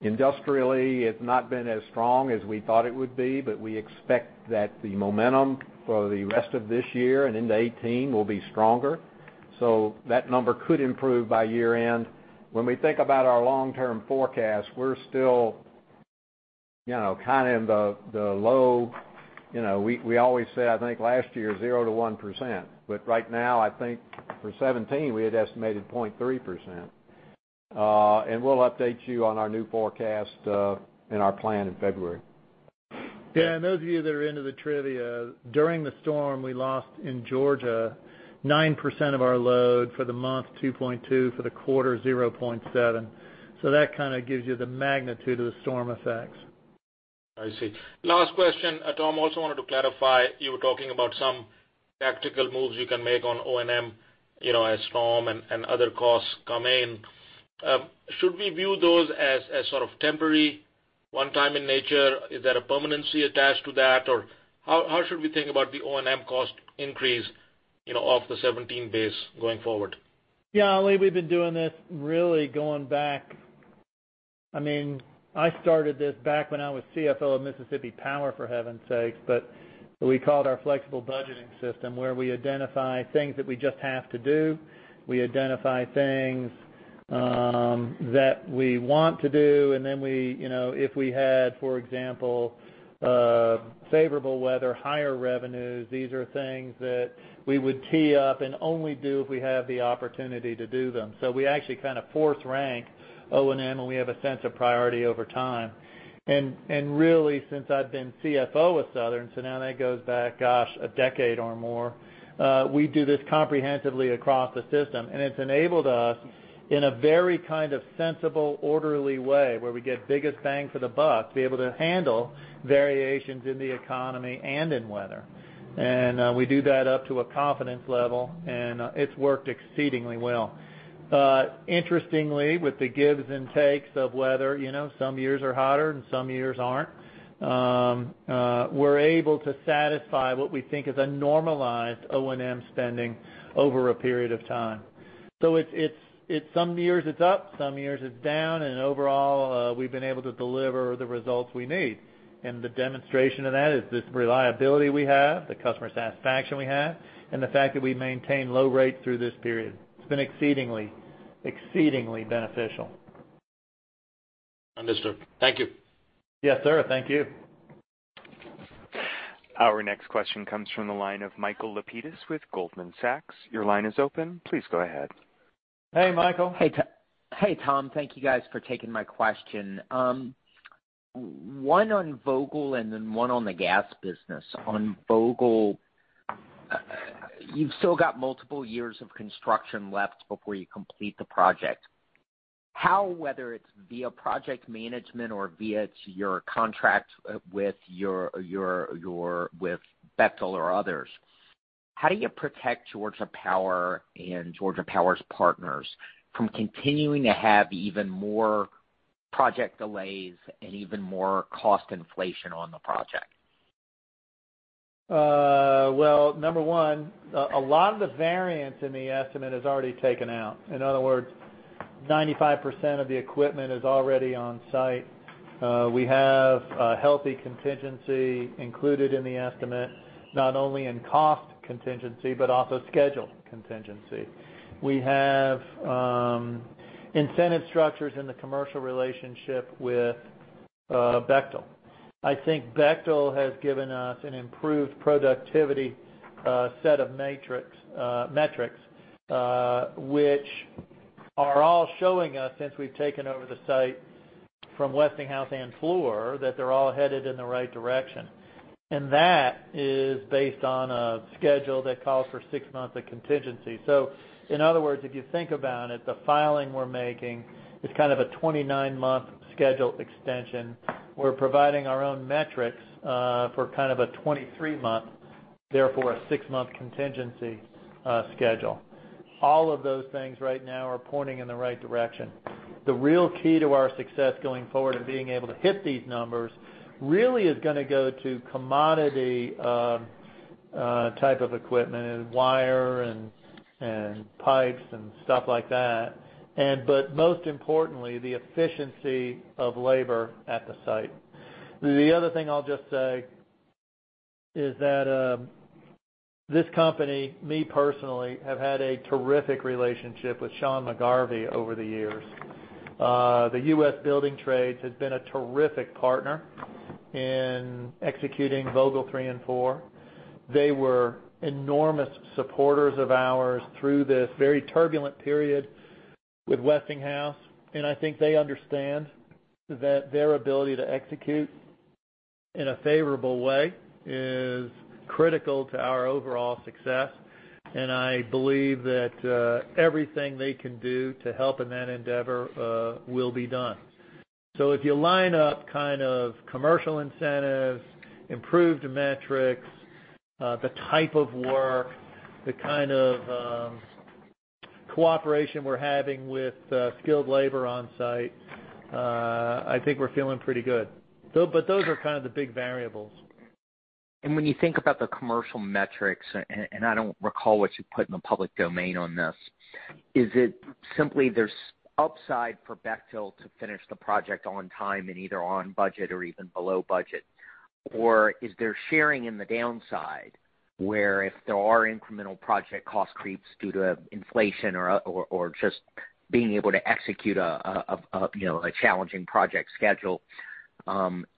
Industrially, it's not been as strong as we thought it would be, but we expect that the momentum for the rest of this year and into 2018 will be stronger. That number could improve by year-end. When we think about our long-term forecast, we're still kind of in the low. We always say, I think last year, 0%-1%, but right now, I think for 2017, we had estimated 0.3%. We'll update you on our new forecast in our plan in February. Those of you that are into the trivia, during the storm, we lost in Georgia 9% of our load for the month 2.2 for the quarter 0.7. That kind of gives you the magnitude of the storm effects. I see. Last question. Tom, I also wanted to clarify, you were talking about some tactical moves you can make on O&M as storm and other costs come in. Should we view those as sort of temporary, one-time in nature? Is there a permanency attached to that? How should we think about the O&M cost increase off the 2017 base going forward? Ali, we've been doing this really going back, I started this back when I was CFO of Mississippi Power, for heaven's sakes. We called our flexible budgeting system where we identify things that we just have to do, we identify things that we want to do, and then if we had, for example, favorable weather, higher revenues, these are things that we would tee up and only do if we have the opportunity to do them. We actually kind of force rank O&M, and we have a sense of priority over time. Really, since I've been CFO of Southern, now that goes back, gosh, a decade or more, we do this comprehensively across the system, and it's enabled us in a very kind of sensible, orderly way where we get biggest bang for the buck to be able to handle variations in the economy and in weather. We do that up to a confidence level, and it's worked exceedingly well. Interestingly, with the gives and takes of weather, some years are hotter and some years aren't. We're able to satisfy what we think is a normalized O&M spending over a period of time. Some years it's up, some years it's down. Overall, we've been able to deliver the results we need. The demonstration of that is this reliability we have, the customer satisfaction we have, and the fact that we maintain low rates through this period. It's been exceedingly beneficial. Understood. Thank you. Yes, sir. Thank you. Our next question comes from the line of Michael Lapides with Goldman Sachs. Your line is open. Please go ahead. Hey, Michael. Hey, Tom. Thank you guys for taking my question. One on Vogtle and then one on the gas business. On Vogtle, you've still got multiple years of construction left before you complete the project. How, whether it's via project management or via your contract with Bechtel or others, how do you protect Georgia Power and Georgia Power's partners from continuing to have even more project delays and even more cost inflation on the project? Well, number one, a lot of the variance in the estimate is already taken out. In other words, 95% of the equipment is already on site. We have a healthy contingency included in the estimate, not only in cost contingency, but also schedule contingency. We have incentive structures in the commercial relationship with Bechtel. I think Bechtel has given us an improved productivity set of metrics which are all showing us, since we've taken over the site from Westinghouse and Fluor, that they're all headed in the right direction. That is based on a schedule that calls for six months of contingency. In other words, if you think about it, the filing we're making is kind of a 29-month schedule extension. We're providing our own metrics for kind of a 23-month, therefore a six-month contingency schedule. All of those things right now are pointing in the right direction. The real key to our success going forward and being able to hit these numbers really is going to go to commodity type of equipment and wire and pipes and stuff like that. Most importantly, the efficiency of labor at the site. The other thing I'll just say is that this company, me personally, have had a terrific relationship with Sean McGarvey over the years. The U.S. Building Trades has been a terrific partner in executing Vogtle 3 and 4. They were enormous supporters of ours through this very turbulent period with Westinghouse, and I think they understand that their ability to execute in a favorable way is critical to our overall success. I believe that everything they can do to help in that endeavor will be done. If you line up kind of commercial incentives, improved metrics, the type of work, the kind of cooperation we're having with skilled labor on site, I think we're feeling pretty good. Those are kind of the big variables. When you think about the commercial metrics, I don't recall what you put in the public domain on this, is it simply there's upside for Bechtel to finish the project on time and either on budget or even below budget? Is there sharing in the downside where if there are incremental project cost creeps due to inflation or just being able to execute a challenging project schedule,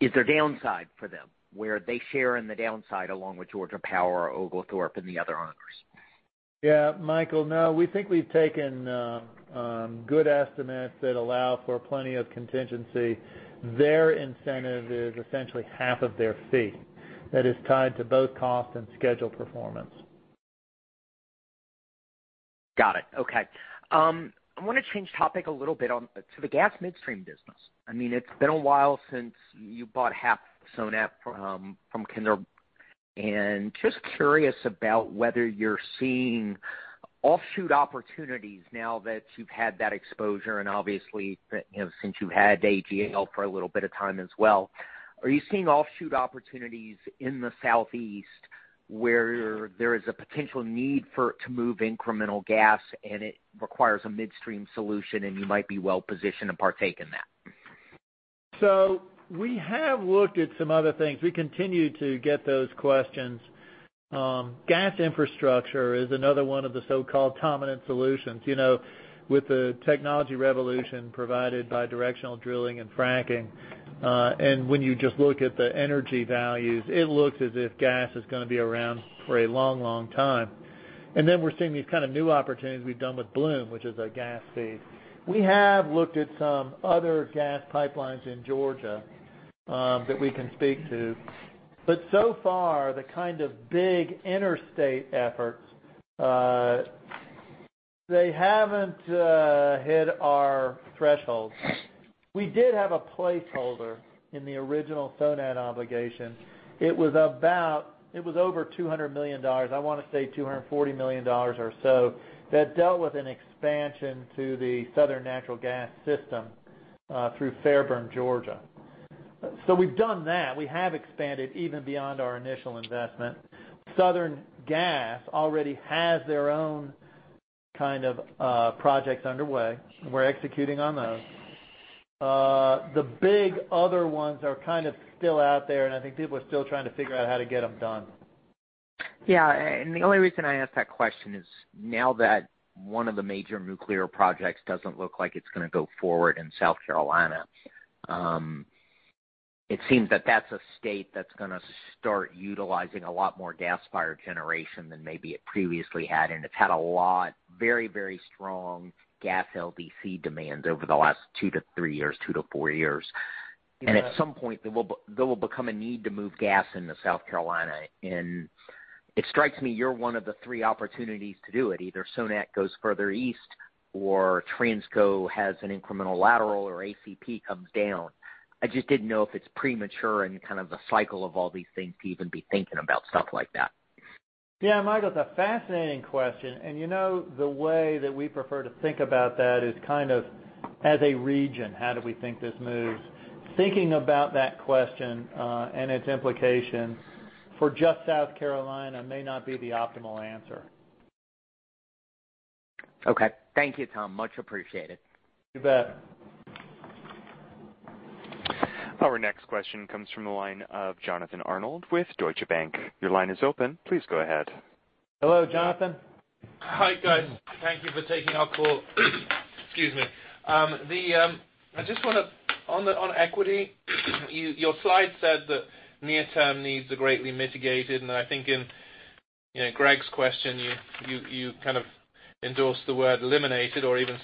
is there downside for them where they share in the downside along with Georgia Power or Oglethorpe and the other owners? Yeah, Michael, no, we think we've taken good estimates that allow for plenty of contingency. Their incentive is essentially half of their fee that is tied to both cost and schedule performance. Got it. Okay. I want to change topic a little bit to the gas midstream business. It's been a while since you bought half of Sonat from Kinder Morgan, and just curious about whether you're seeing offshoot opportunities now that you've had that exposure and obviously since you've had AGL for a little bit of time as well. Are you seeing offshoot opportunities in the Southeast where there is a potential need to move incremental gas and it requires a midstream solution and you might be well-positioned to partake in that? We have looked at some other things. We continue to get those questions. Gas infrastructure is another one of the so-called dominant solutions. With the technology revolution provided by directional drilling and fracking, when you just look at the energy values, it looks as if gas is going to be around for a long time. We're seeing these kind of new opportunities we've done with Bloom, which is a gas feed. We have looked at some other gas pipelines in Georgia that we can speak to. So far, the kind of big interstate efforts, they haven't hit our threshold. We did have a placeholder in the original Sonat obligation. It was over $200 million. I want to say $240 million or so. That dealt with an expansion to the Southern Natural Gas system through Fairburn, Georgia. We've done that. We have expanded even beyond our initial investment. Southern Company Gas already has their own kind of projects underway. We're executing on those. The big other ones are kind of still out there, and I think people are still trying to figure out how to get them done. The only reason I ask that question is now that one of the major nuclear projects doesn't look like it's going to go forward in South Carolina. It seems that that's a state that's going to start utilizing a lot more gas-fired generation than maybe it previously had, and it's had very strong gas LDC demands over the last two to three years, two to four years. Yeah. At some point, there will become a need to move gas into South Carolina. It strikes me you're one of the three opportunities to do it. Either Sonat goes further east or Transco has an incremental lateral, or ACP comes down. I just didn't know if it's premature in kind of the cycle of all these things to even be thinking about stuff like that. Yeah, Michael, it's a fascinating question. The way that we prefer to think about that is kind of as a region, how do we think this moves? Thinking about that question, and its implications for just South Carolina may not be the optimal answer. Okay. Thank you, Tom. Much appreciated. You bet. Our next question comes from the line of Jonathan Arnold with Deutsche Bank. Your line is open. Please go ahead. Hello, Jonathan. Hi, guys. Thank you for taking our call. Excuse me. I just want to, on equity, your slide said that near-term needs are greatly mitigated, and I think in Greg's question, you kind of endorsed the word eliminated or even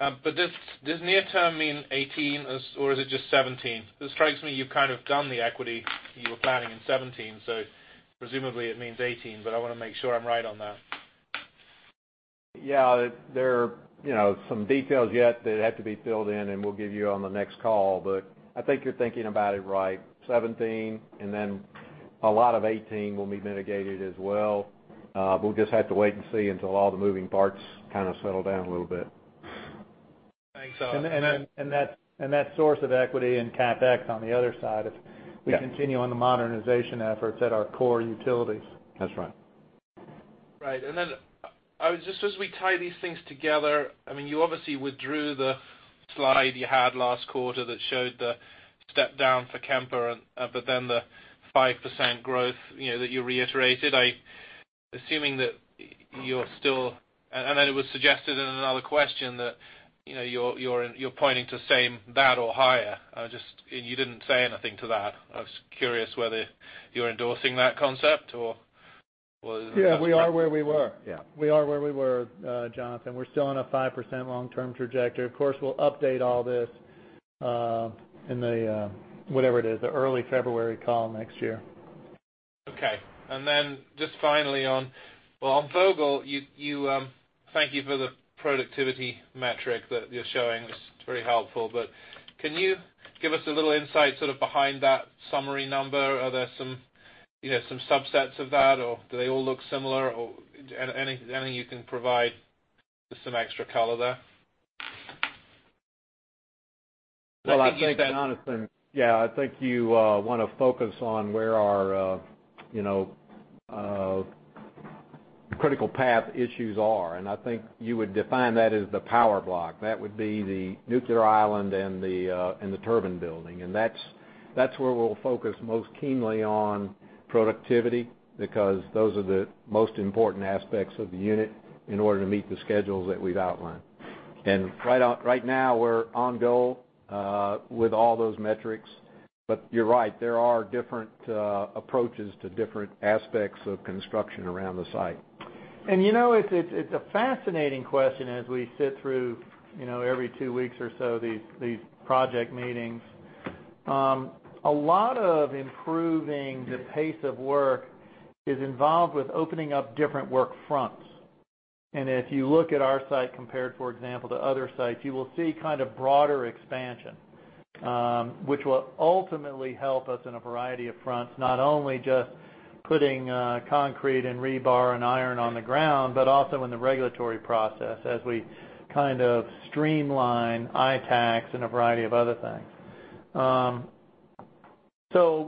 better. Does near term mean 2018 or is it just 2017? It strikes me you've kind of done the equity you were planning in 2017. Presumably it means 2018. I want to make sure I'm right on that. Yeah. There are some details yet that have to be filled in, and we'll give you on the next call, but I think you're thinking about it right. 2017. A lot of 2018 will be mitigated as well. We'll just have to wait and see until all the moving parts kind of settle down a little bit. Thanks. That source of equity in CapEx on the other side is- Yeah we continue on the modernization efforts at our core utilities. That's right. Right. Just as we tie these things together, you obviously withdrew the slide you had last quarter that showed the step down for Kemper the 5% growth that you reiterated. It was suggested in another question that you're pointing to same bat or higher. You didn't say anything to that. I was curious whether you're endorsing that concept. Yeah. We are where we were. Yeah. We are where we were, Jonathan. We're still on a 5% long-term trajectory. Of course, we'll update all this in the, whatever it is, the early February call next year. Okay. Just finally on Vogtle, thank you for the productivity metric that you're showing. It's very helpful. Can you give us a little insight sort of behind that summary number? Are there some subsets of that, or do they all look similar or anything you can provide just some extra color there? Well, I think that, Jonathan, Yeah, I think you want to focus on where our critical path issues are, and I think you would define that as the power block. That would be the nuclear island and the turbine building. That's where we'll focus most keenly on productivity because those are the most important aspects of the unit in order to meet the schedules that we've outlined. Right now, we're on goal with all those metrics. You're right, there are different approaches to different aspects of construction around the site. It's a fascinating question as we sit through every two weeks or so, these project meetings. A lot of improving the pace of work is involved with opening up different work fronts. If you look at our site compared, for example, to other sites, you will see kind of broader expansion, which will ultimately help us in a variety of fronts, not only just putting concrete and rebar and iron on the ground, but also in the regulatory process as we kind of streamline ITAACs and a variety of other things.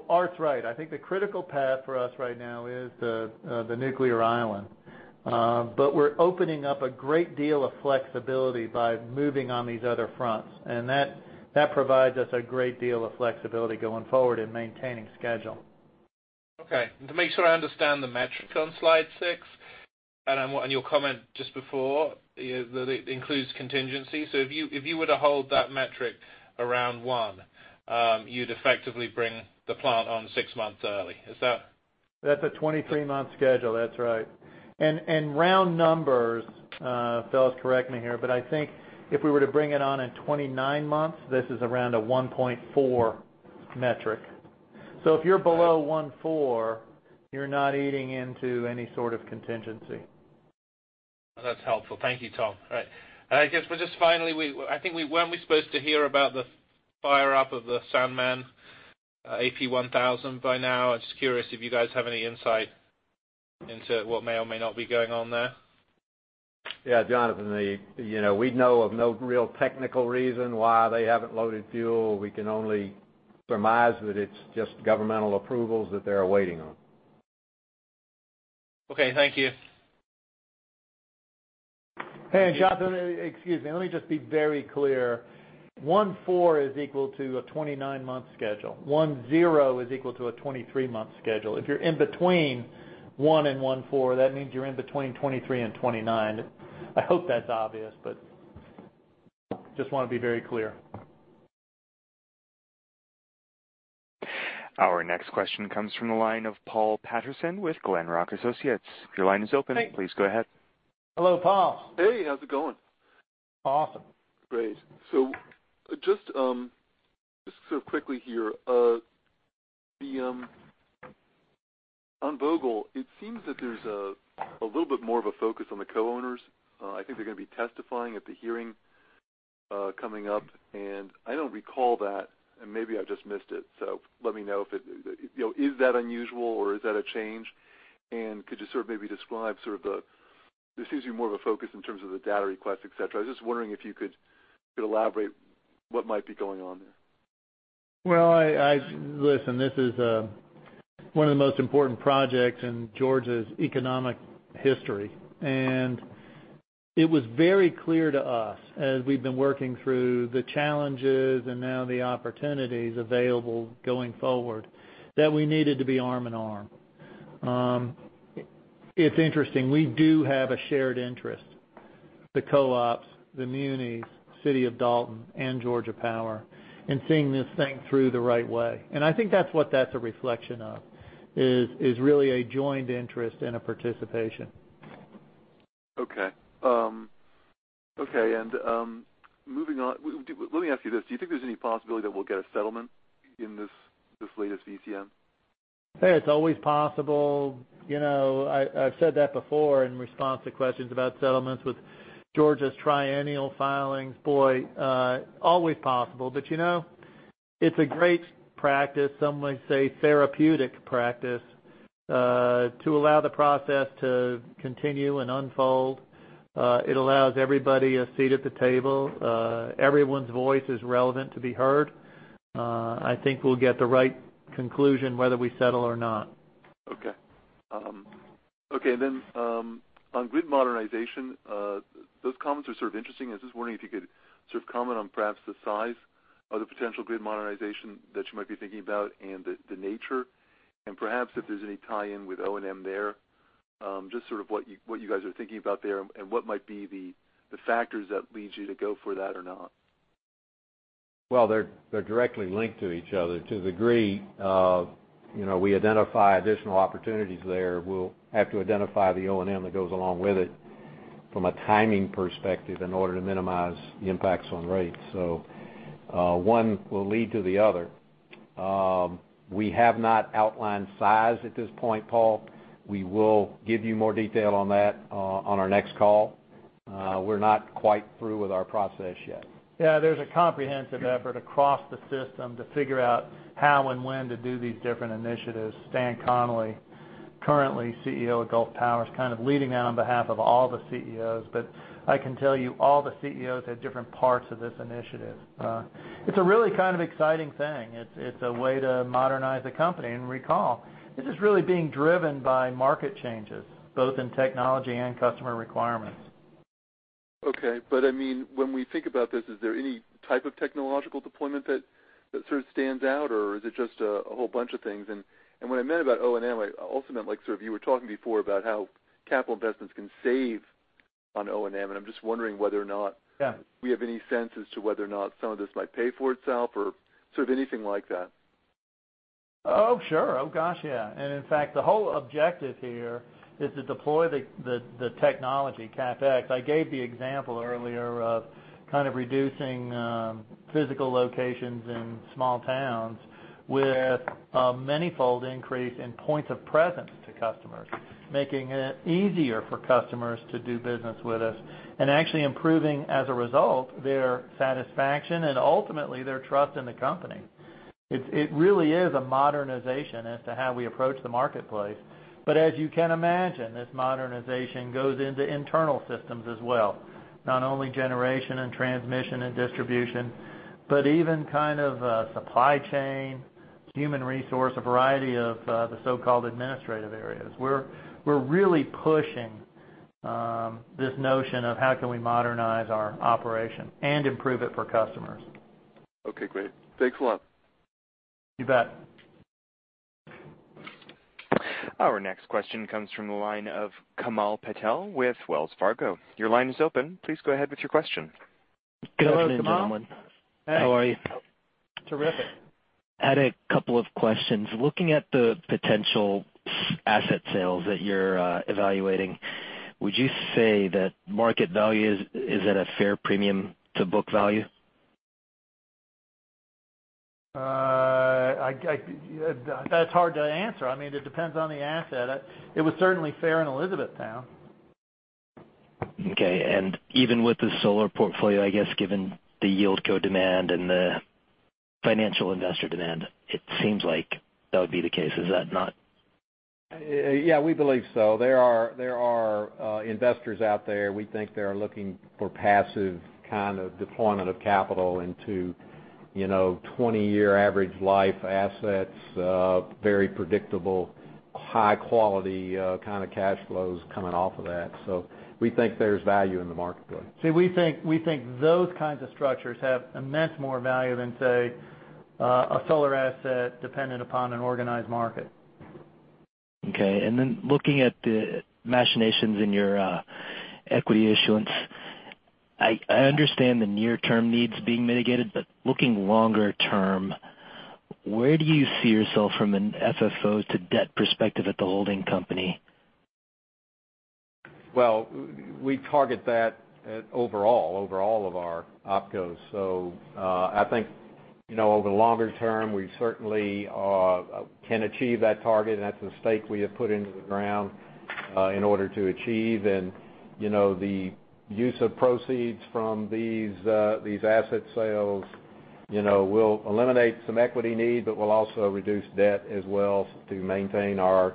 Art's right. I think the critical path for us right now is the nuclear island. We're opening up a great deal of flexibility by moving on these other fronts, and that provides us a great deal of flexibility going forward in maintaining schedule. To make sure I understand the metric on slide six, and your comment just before, that it includes contingency. If you were to hold that metric around one, you'd effectively bring the plant on six months early. Is that? That's a 23-month schedule. That's right. Round numbers, fellas, correct me here, I think if we were to bring it on in 29 months, this is around a 1.4 metric. If you're below 1.4, you're not eating into any sort of contingency. That's helpful. Thank you, Tom. All right. I guess, just finally, when are we supposed to hear about the fire-up of the Sanmen AP1000 by now? I'm just curious if you guys have any insight into what may or may not be going on there. Yeah, Jonathan, we know of no real technical reason why they haven't loaded fuel. We can only surmise that it's just governmental approvals that they're waiting on. Okay. Thank you. Hey, Jonathan, excuse me, let me just be very clear. 14 is equal to a 29-month schedule. 10 is equal to a 23-month schedule. If you're in between one and 14, that means you're in between 23 and 29. I hope that's obvious, just want to be very clear. Our next question comes from the line of Paul Patterson with Glenrock Associates. Your line is open. Hey. Please go ahead. Hello, Paul. Hey, how's it going? Awesome. Great. Just quickly here. On Vogtle, it seems that there's a little bit more of a focus on the co-owners. I think they're going to be testifying at the hearing coming up, and I don't recall that, and maybe I've just missed it, so let me know. Is that unusual or is that a change? Could you maybe describe the This seems to be more of a focus in terms of the data request, et cetera. I was just wondering if you could elaborate what might be going on there. Well, listen, this is one of the most important projects in Georgia's economic history. It was very clear to us as we've been working through the challenges and now the opportunities available going forward, that we needed to be arm in arm. It's interesting. We do have a shared interest, the co-ops, the munis, City of Dalton, and Georgia Power, in seeing this thing through the right way. I think that's what that's a reflection of, is really a joint interest and a participation. Okay. Moving on, let me ask you this. Do you think there's any possibility that we'll get a settlement in this latest VCM? Hey, it's always possible. I've said that before in response to questions about settlements with Georgia's triennial filings. Boy, always possible. It's a great practice, some might say therapeutic practice, to allow the process to continue and unfold. It allows everybody a seat at the table. Everyone's voice is relevant to be heard. I think we'll get the right conclusion whether we settle or not. Okay. On grid modernization, those comments are sort of interesting. I was just wondering if you could comment on perhaps the size of the potential grid modernization that you might be thinking about and the nature, and perhaps if there's any tie-in with O&M there. Just sort of what you guys are thinking about there and what might be the factors that lead you to go for that or not. Well, they're directly linked to each other. To the degree of we identify additional opportunities there, we'll have to identify the O&M that goes along with it from a timing perspective in order to minimize the impacts on rates. One will lead to the other. We have not outlined size at this point, Paul. We will give you more detail on that on our next call. We're not quite through with our process yet. Yeah, there's a comprehensive effort across the system to figure out how and when to do these different initiatives. Stan Connally, currently CEO of Gulf Power, is kind of leading that on behalf of all the CEOs. I can tell you all the CEOs have different parts of this initiative. It's a really kind of exciting thing. It's a way to modernize the company. Recall, this is really being driven by market changes, both in technology and customer requirements. Okay. When we think about this, is there any type of technological deployment that sort of stands out, or is it just a whole bunch of things? What I meant about O&M, I also meant, you were talking before about how capital investments can save on O&M, I'm just wondering whether or not. Yeah we have any sense as to whether or not some of this might pay for itself or sort of anything like that. Oh, sure. Oh, gosh, yeah. In fact, the whole objective here is to deploy the technology CapEx. I gave the example earlier of kind of reducing physical locations in small towns with a manyfold increase in points of presence to customers, making it easier for customers to do business with us and actually improving, as a result, their satisfaction and ultimately their trust in the company. It really is a modernization as to how we approach the marketplace. As you can imagine, this modernization goes into internal systems as well. Not only generation and transmission and distribution, but even kind of supply chain, human resource, a variety of the so-called administrative areas. We're really pushing this notion of how can we modernize our operation and improve it for customers. Okay, great. Thanks a lot. You bet. Our next question comes from the line of Kamal Patel with Wells Fargo. Your line is open. Please go ahead with your question. Hello, Kamal. Good afternoon, gentlemen. Hey. How are you? Terrific. I had a couple of questions. Looking at the potential asset sales that you're evaluating, would you say that market value is at a fair premium to book value? That's hard to answer. I mean, it depends on the asset. It was certainly fair in Elizabethtown. Even with the solar portfolio, I guess, given the yield co demand and the financial investor demand, it seems like that would be the case. Is that not? Yeah, we believe so. There are investors out there. We think they are looking for passive kind of deployment of capital into 20-year average life assets, very predictable high quality kind of cash flows coming off of that. We think there's value in the marketplace. See, we think those kinds of structures have immense more value than, say, a solar asset dependent upon an organized market. Okay. Then looking at the machinations in your equity issuance, I understand the near-term needs being mitigated, but looking longer term, where do you see yourself from an FFO to debt perspective at the holding company? We target that overall, over all of our opcos. I think over the longer term, we certainly can achieve that target, and that's the stake we have put into the ground in order to achieve. The use of proceeds from these asset sales will eliminate some equity need, but will also reduce debt as well to maintain our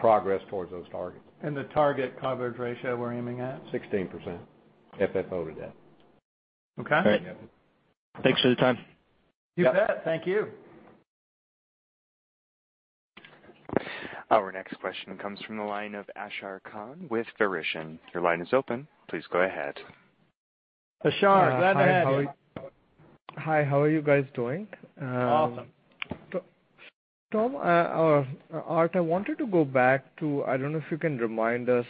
progress towards those targets. The target coverage ratio we're aiming at? 16% FFO to debt. Okay. Great. Thanks for the time. You bet. Thank you. Our next question comes from the line of Ashar Khan with Verition. Your line is open. Please go ahead. Ashar, glad to have you. Hi, how are you guys doing? Awesome. Tom, or Art, I wanted to go back to, I don't know if you can remind us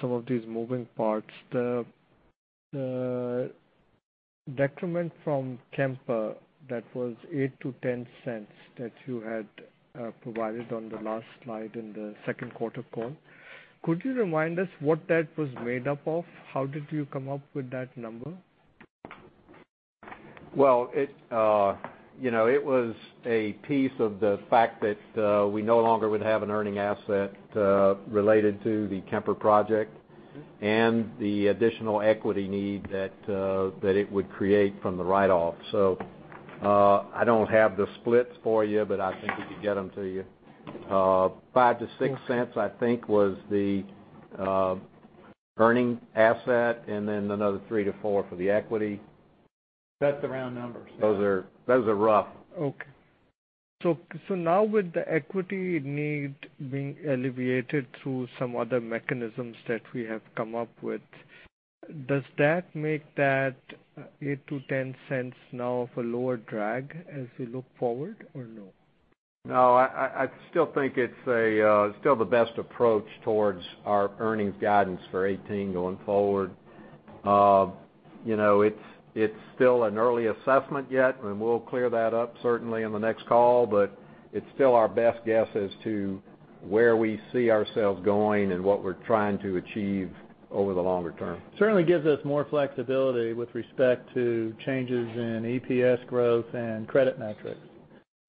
some of these moving parts. The decrement from Kemper, that was $0.08-$0.10 that you had provided on the last slide in the second quarter call. Could you remind us what that was made up of? How did you come up with that number? Well, it was a piece of the fact that we no longer would have an earning asset related to the Kemper project, and the additional equity need that it would create from the write-off. I don't have the splits for you, but I think we could get them to you. $0.05-$0.06, I think, was the earning asset, and then another $0.03-$0.04 for the equity. That's the round numbers. Yeah. Those are rough. Okay. Now with the equity need being alleviated through some other mechanisms that we have come up with, does that make that $0.08-$0.10 now of a lower drag as we look forward or no? No, I still think it's still the best approach towards our earnings guidance for 2018 going forward. It's still an early assessment yet, and we'll clear that up certainly in the next call, but it's still our best guess as to where we see ourselves going and what we're trying to achieve over the longer term. Certainly gives us more flexibility with respect to changes in EPS growth and credit metrics.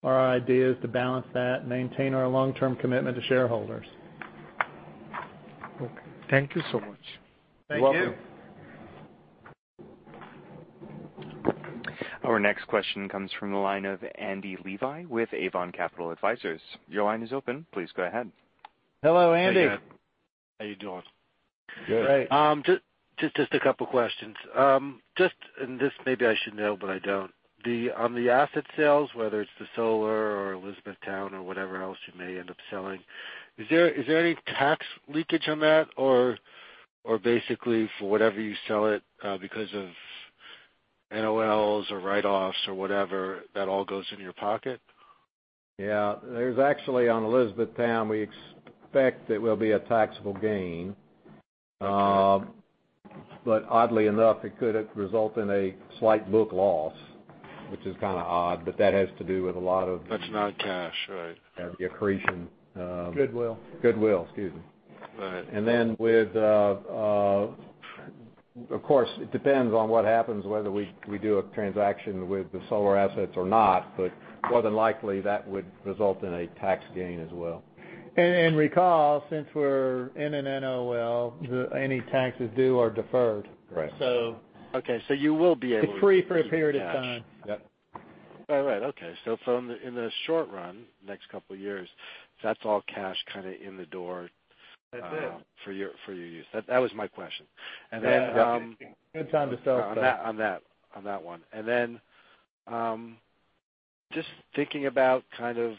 Our idea is to balance that, maintain our long-term commitment to shareholders. Okay. Thank you so much. Thank you. You're welcome. Our next question comes from the line of Andy Levi with Avon Capital Advisors. Your line is open. Please go ahead. Hello, Andy. Hey. How you doing? Great. Just a couple of questions. This maybe I should know, but I don't. On the asset sales, whether it's the solar or Elizabethtown or whatever else you may end up selling, is there any tax leakage on that? Basically for whatever you sell it because of NOLs or write-offs or whatever, that all goes into your pocket? Yeah. There's actually on Elizabethtown, we expect it will be a taxable gain. Okay. Oddly enough, it could result in a slight book loss, which is kind of odd, that has to do with a lot of That's not cash, right? the accretion. Goodwill. Goodwill, excuse me. Right. Of course, it depends on what happens, whether we do a transaction with the solar assets or not, but more than likely that would result in a tax gain as well. Recall, since we're in an NOL, any taxes due are deferred. Right. Okay. You will be able to- Defer for a period of time. Yep. All right. Okay. In the short run, next couple of years, that's all cash kind of in the door- It is for your use. That was my question. Then- Good time to sell. On that one. Just thinking about kind of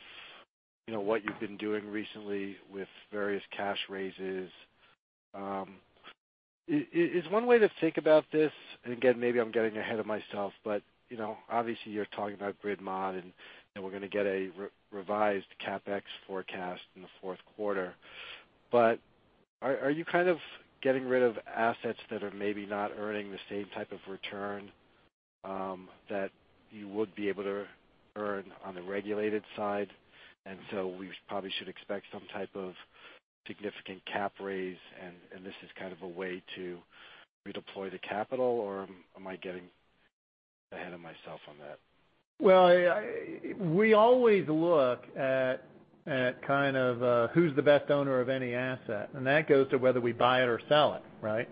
what you've been doing recently with various cash raises. Is one way to think about this, and again, maybe I'm getting ahead of myself, obviously you're talking about grid mod and we're going to get a revised CapEx forecast in the fourth quarter, are you kind of getting rid of assets that are maybe not earning the same type of return that you would be able to earn on the regulated side? We probably should expect some type of significant cap raise and this is kind of a way to redeploy the capital, or am I getting ahead of myself on that? Well, we always look at kind of who's the best owner of any asset, and that goes to whether we buy it or sell it. Right?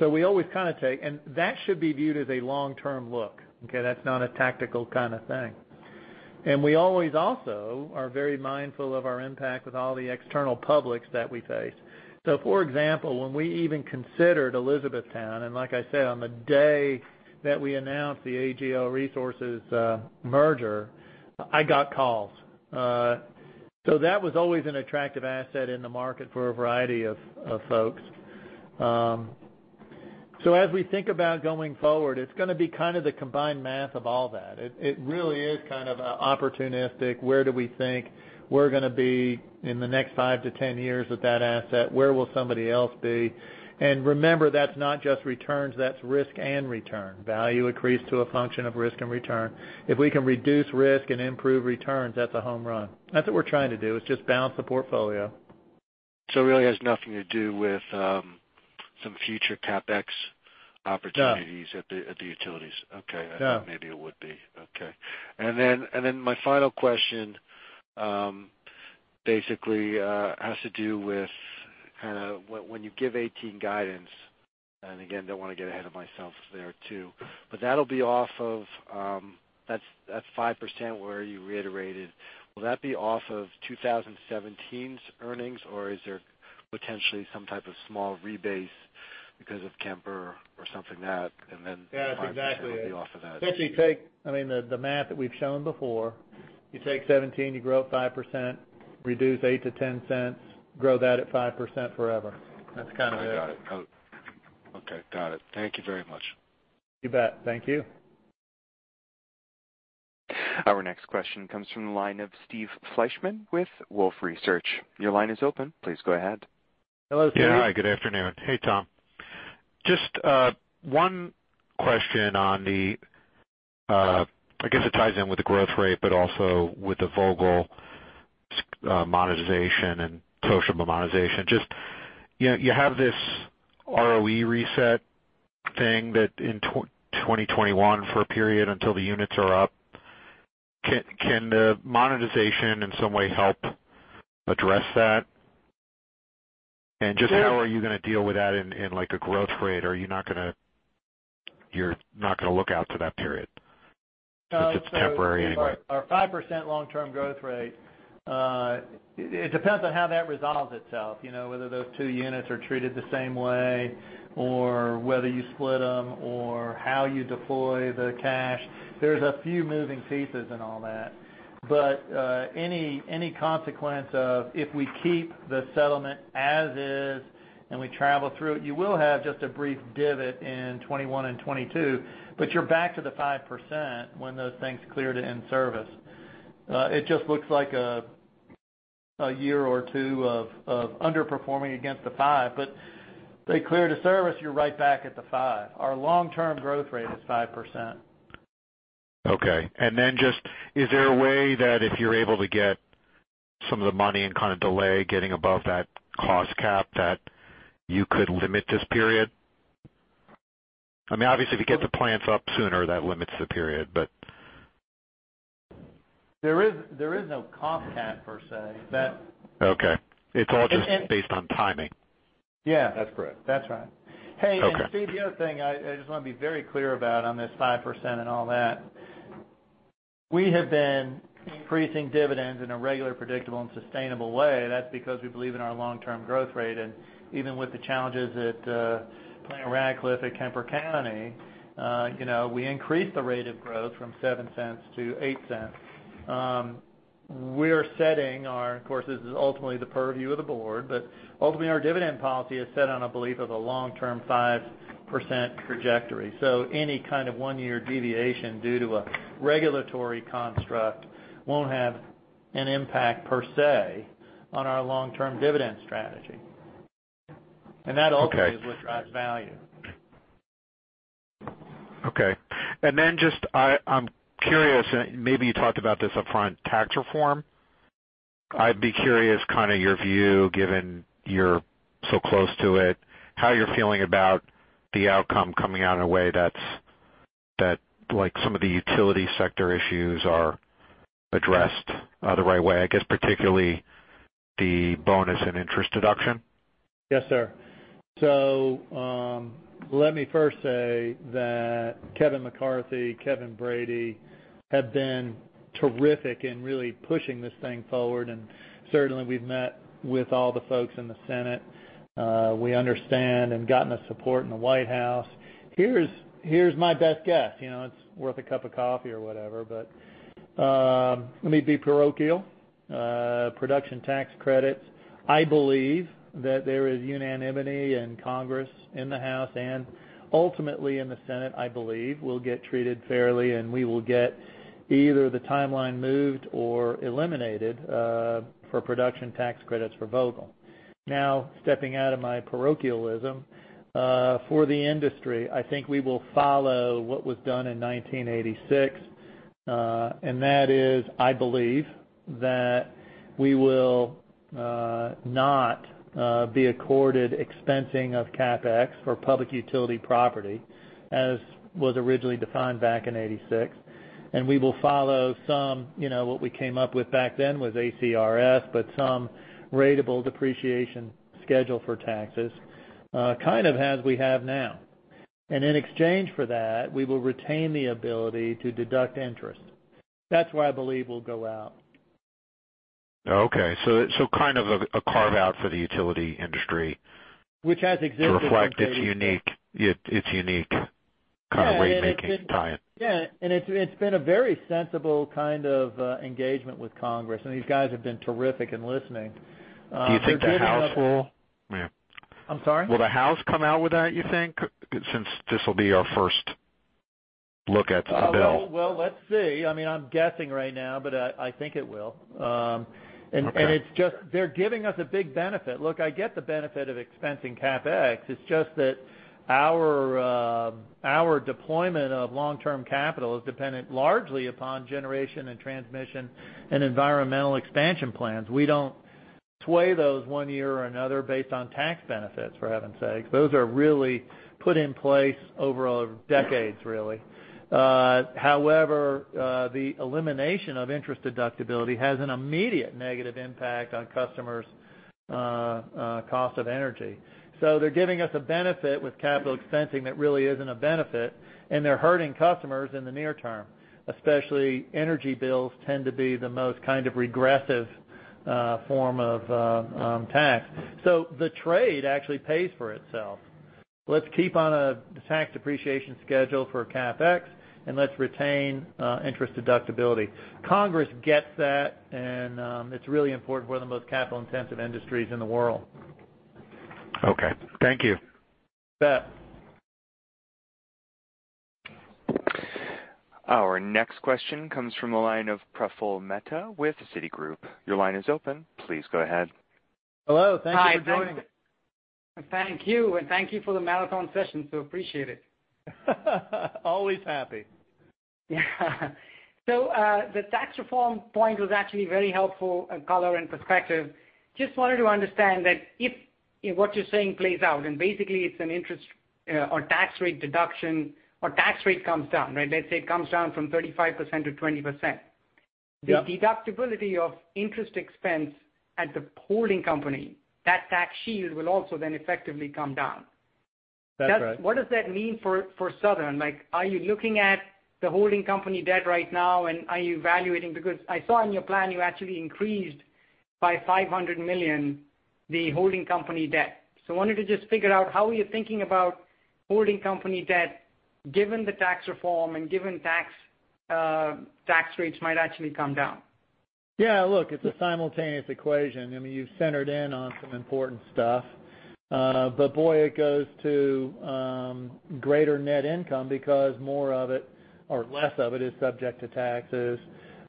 We always kind of take. That should be viewed as a long-term look. Okay? That's not a tactical kind of thing. We always also are very mindful of our impact with all the external publics that we face. For example, when we even considered Elizabethtown, and like I said, on the day that we announced the AGL Resources merger, I got calls. That was always an attractive asset in the market for a variety of folks. As we think about going forward, it's going to be kind of the combined math of all that. It really is kind of opportunistic. Where do we think we're going to be in the next 5-10 years with that asset? Where will somebody else be? Remember, that's not just returns, that's risk and return. Value accrues to a function of risk and return. If we can reduce risk and improve returns, that's a home run. That's what we're trying to do, is just balance the portfolio. It really has nothing to do with some future CapEx opportunities. No at the utilities. Okay. No. I thought maybe it would be. Okay. Then my final question basically has to do with kind of when you give 2018 guidance, and again, don't want to get ahead of myself there, too, but that's 5% where you reiterated. Will that be off of 2017's earnings, or is there potentially some type of small rebase because of Kemper or something that. Yeah, that's exactly it off of that. I mean, the math that we've shown before, you take 2017, you grow it 5%, reduce $0.08-$0.10, grow that at 5% forever. That's kind of it. I got it. Okay, got it. Thank you very much. You bet. Thank you. Our next question comes from the line of Steve Fleishman with Wolfe Research. Your line is open. Please go ahead. Hello, Steve. Yeah, hi. Good afternoon. Hey, Tom. Just one question on the, I guess it ties in with the growth rate, but also with the Vogtle monetization and Toshiba monetization. You have this ROE reset thing that in 2021 for a period until the units are up. Can the monetization in some way help address that? How are you going to deal with that in, like, a growth rate? Are you not going to look out to that period? It's just temporary anyway. Our 5% long-term growth rate, it depends on how that resolves itself, whether those two units are treated the same way or whether you split them or how you deploy the cash. There's a few moving pieces in all that. Any consequence of if we keep the settlement as is and we travel through it, you will have just a brief divot in 2021 and 2022, but you're back to the 5% when those things cleared in service. Looks like a year or two of underperforming against the 5%, but they clear to service, you're right back at the 5%. Our long-term growth rate is 5%. Okay. Is there a way that if you're able to get some of the money and kind of delay getting above that cost cap, that you could limit this period? I mean, obviously, if you get the plants up sooner, that limits the period. There is no cost cap per se. Okay. It's all just based on timing. Yeah. That's correct. That's right. Okay. Hey, Steve, the other thing I just want to be very clear about on this 5% and all that, we have been increasing dividends in a regular, predictable, and sustainable way. That's because we believe in our long-term growth rate. Even with the challenges at Plant Ratcliffe at Kemper County, we increased the rate of growth from $0.07 to $0.08. We're setting our, of course, this is ultimately the purview of the board, but ultimately our dividend policy is set on a belief of a long-term 5% trajectory. Any kind of one-year deviation due to a regulatory construct won't have an impact per se on our long-term dividend strategy. Okay. That ultimately is what drives value. Okay. Just, I'm curious, maybe you talked about this upfront, tax reform. I'd be curious, kind of your view, given you're so close to it, how you're feeling about the outcome coming out in a way that some of the utility sector issues are addressed the right way, I guess particularly the bonus and interest deduction. Yes, sir. Let me first say that Kevin McCarthy, Kevin Brady, have been terrific in really pushing this thing forward, certainly we've met with all the folks in the Senate. We understand and gotten the support in the White House. Here's my best guess. It's worth a cup of coffee or whatever, let me be parochial. Production tax credits, I believe that there is unanimity in Congress, in the House, ultimately in the Senate, I believe, will get treated fairly, and we will get either the timeline moved or eliminated for production tax credits for Vogtle. Stepping out of my parochialism, for the industry, I think we will follow what was done in 1986. That is, I believe, that we will not be accorded expensing of CapEx for public utility property as was originally defined back in 1986. We will follow some, what we came up with back then was ACRS, but some ratable depreciation schedule for taxes, kind of as we have now. In exchange for that, we will retain the ability to deduct interest. That's where I believe we'll go out. Okay. Kind of a carve-out for the utility industry. Which has existed since 1986. To reflect its unique Yeah, it's been a very sensible kind of engagement with Congress, and these guys have been terrific in listening. They're giving us. Do you think the House will? I'm sorry? Will the House come out with that, you think, since this will be our first look at the bill? Well, let's see. I'm guessing right now, but I think it will. Okay. They're giving us a big benefit. Look, I get the benefit of expensing CapEx. It's just that our deployment of long-term capital is dependent largely upon generation and transmission and environmental expansion plans. We don't sway those one year or another based on tax benefits, for heaven's sakes. Those are really put in place over decades, really. However, the elimination of interest deductibility has an immediate negative impact on customers' cost of energy. They're giving us a benefit with capital expensing that really isn't a benefit, and they're hurting customers in the near term. Especially energy bills tend to be the most kind of regressive form of tax. The trade actually pays for itself. Let's keep on a tax depreciation schedule for CapEx, and let's retain interest deductibility. Congress gets that, and it's really important. We're the most capital-intensive industries in the world. Okay. Thank you. You bet. Our next question comes from the line of Praful Mehta with Citigroup. Your line is open. Please go ahead. Hello, thank you for joining. Hi. Thank you, and thank you for the marathon session, so appreciate it. Always happy. Yeah. The tax reform point was actually very helpful color and perspective. Just wanted to understand that if what you're saying plays out and basically it's an interest or tax rate deduction or tax rate comes down, let's say it comes down from 35% to 20%- Yeah The deductibility of interest expense at the holding company, that tax shield will also effectively come down. That's right. What does that mean for Southern? Are you looking at the holding company debt right now, and are you evaluating? Because I saw in your plan you actually increased by $500 million the holding company debt. Wanted to just figure out how are you thinking about holding company debt given the tax reform and given tax rates might actually come down. Yeah, look, it's a simultaneous equation. You've centered in on some important stuff. Boy, it goes to greater net income because more of it or less of it is subject to taxes.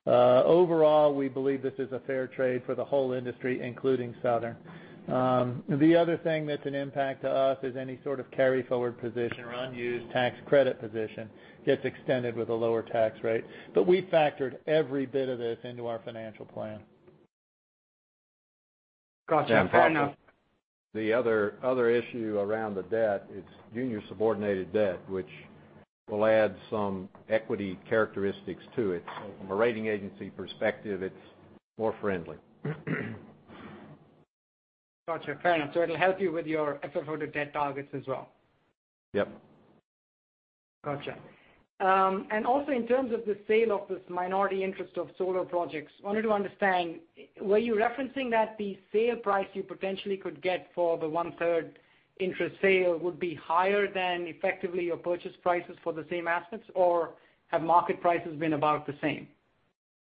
Overall, we believe this is a fair trade for the whole industry, including Southern. The other thing that's an impact to us is any sort of carry forward position or unused tax credit position gets extended with a lower tax rate. We factored every bit of this into our financial plan. Gotcha. Fair enough. The other issue around the debt, it's junior subordinated debt, which will add some equity characteristics to it. From a rating agency perspective, it's more friendly. Gotcha. Fair enough. It'll help you with your FFO to debt targets as well. Yep. Gotcha. Also, in terms of the sale of this minority interest of solar projects, wanted to understand, were you referencing that the sale price you potentially could get for the one-third interest sale would be higher than effectively your purchase prices for the same assets, or have market prices been about the same?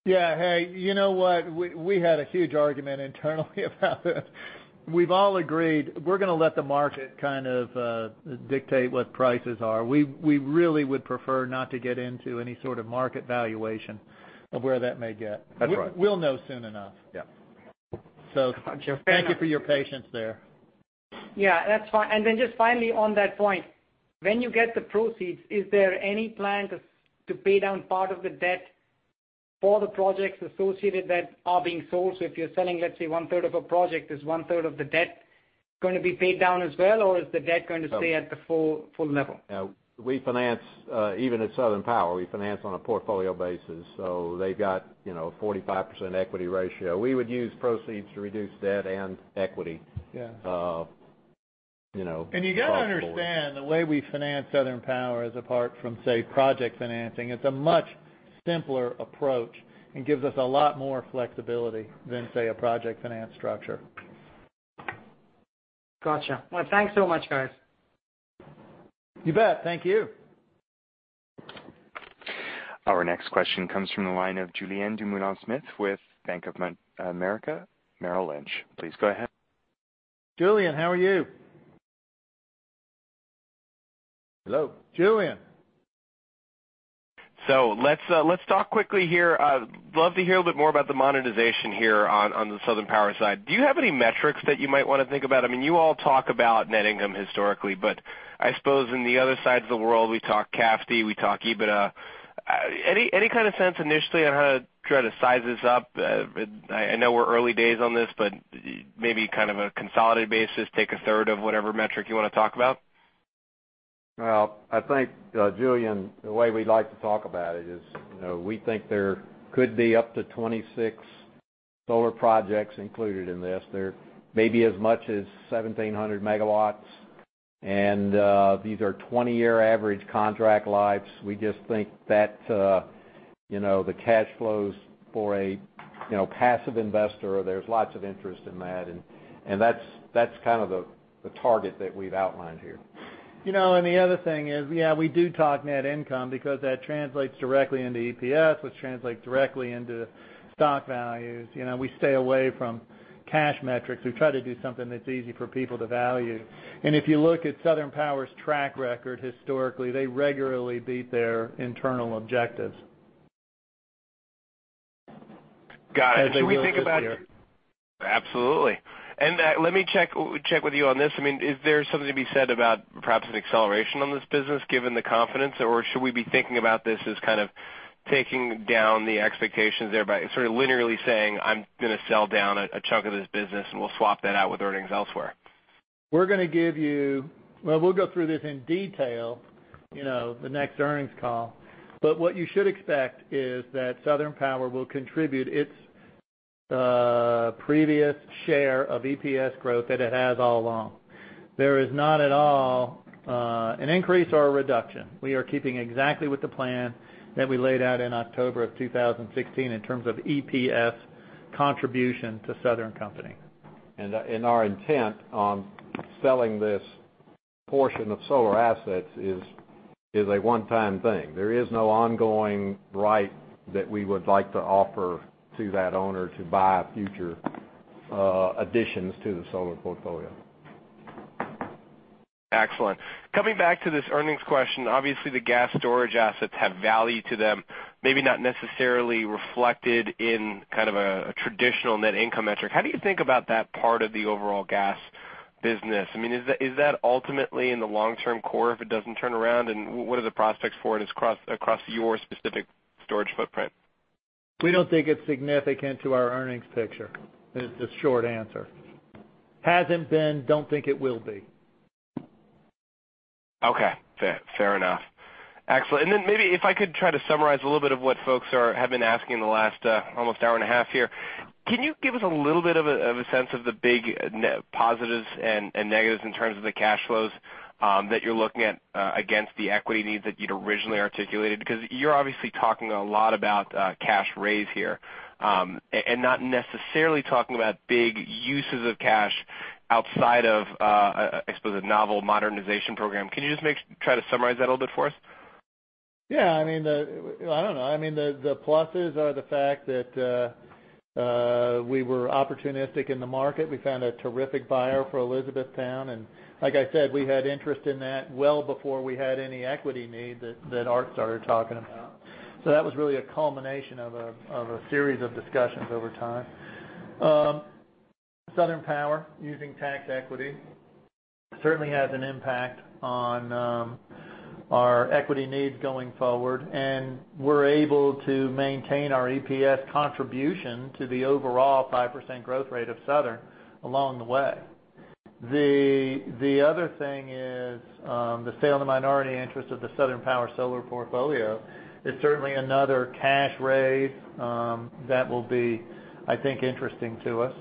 Yeah. Hey, you know what? We had a huge argument internally about this. We've all agreed we're going to let the market kind of dictate what prices are. We really would prefer not to get into any sort of market valuation of where that may get. That's right. We'll know soon enough. Yeah. Gotcha. Fair enough. Thank you for your patience there. Yeah, that's fine. Then just finally on that point, when you get the proceeds, is there any plan to pay down part of the debt for the projects associated that are being sold? If you're selling, let's say, one-third of a project, is one-third of the debt going to be paid down as well, or is the debt going to stay at the full level? We finance, even at Southern Power, we finance on a portfolio basis. They've got a 45% equity ratio. We would use proceeds to reduce debt and equity. Yeah. You know. You got to understand the way we finance Southern Power is apart from, say, project financing. It's a much simpler approach and gives us a lot more flexibility than, say, a project finance structure. Gotcha. Well, thanks so much, guys. You bet. Thank you. Our next question comes from the line of Julien Dumoulin-Smith with Bank of America Merrill Lynch. Please go ahead. Julien, how are you? Hello? Julien. Let's talk quickly here. Love to hear a bit more about the monetization here on the Southern Power side. Do you have any metrics that you might want to think about? You all talk about net income historically, but I suppose in the other sides of the world, we talk CAFD, we talk EBITDA. Any kind of sense initially on how to try to size this up? I know we're early days on this, but maybe kind of a consolidated basis, take a third of whatever metric you want to talk about. Well, I think, Julien, the way we'd like to talk about it is, we think there could be up to 26 solar projects included in this. There may be as much as 1,700 megawatts, and these are 20-year average contract lives. We just think The cash flows for a passive investor, there's lots of interest in that, and that's kind of the target that we've outlined here. Yeah, we do talk net income because that translates directly into EPS, which translates directly into stock values. We stay away from cash metrics. We try to do something that's easy for people to value. If you look at Southern Power's track record historically, they regularly beat their internal objectives. Got it. As they will this year. Absolutely. Let me check with you on this. Is there something to be said about perhaps an acceleration on this business given the confidence, or should we be thinking about this as kind of taking down the expectations there by sort of linearly saying, "I'm going to sell down a chunk of this business, and we'll swap that out with earnings elsewhere? Well, we'll go through this in detail the next earnings call. What you should expect is that Southern Power will contribute its previous share of EPS growth that it has all along. There is not at all an increase or a reduction. We are keeping exactly with the plan that we laid out in October of 2016 in terms of EPS contribution to Southern Company. Our intent on selling this portion of solar assets is a one-time thing. There is no ongoing right that we would like to offer to that owner to buy future additions to the solar portfolio. Excellent. Coming back to this earnings question, obviously, the gas storage assets have value to them, maybe not necessarily reflected in kind of a traditional net income metric. How do you think about that part of the overall gas business? Is that ultimately in the long-term core if it doesn't turn around, and what are the prospects for it across your specific storage footprint? We don't think it's significant to our earnings picture, is the short answer. Hasn't been, don't think it will be. Okay. Fair enough. Excellent. Then maybe if I could try to summarize a little bit of what folks have been asking the last almost hour and a half here. Can you give us a little bit of a sense of the big positives and negatives in terms of the cash flows that you're looking at against the equity needs that you'd originally articulated? Because you're obviously talking a lot about cash raise here, and not necessarily talking about big uses of cash outside of, I suppose, a novel modernization program. Can you just try to summarize that a little bit for us? Yeah. I don't know. The pluses are the fact that we were opportunistic in the market. We found a terrific buyer for Elizabethtown. Like I said, we had interest in that well before we had any equity need that Art started talking about. That was really a culmination of a series of discussions over time. Southern Power using tax equity certainly has an impact on our equity needs going forward, and we're able to maintain our EPS contribution to the overall 5% growth rate of Southern along the way. The other thing is the sale of minority interest of the Southern Power solar portfolio is certainly another cash raise that will be, I think, interesting to us.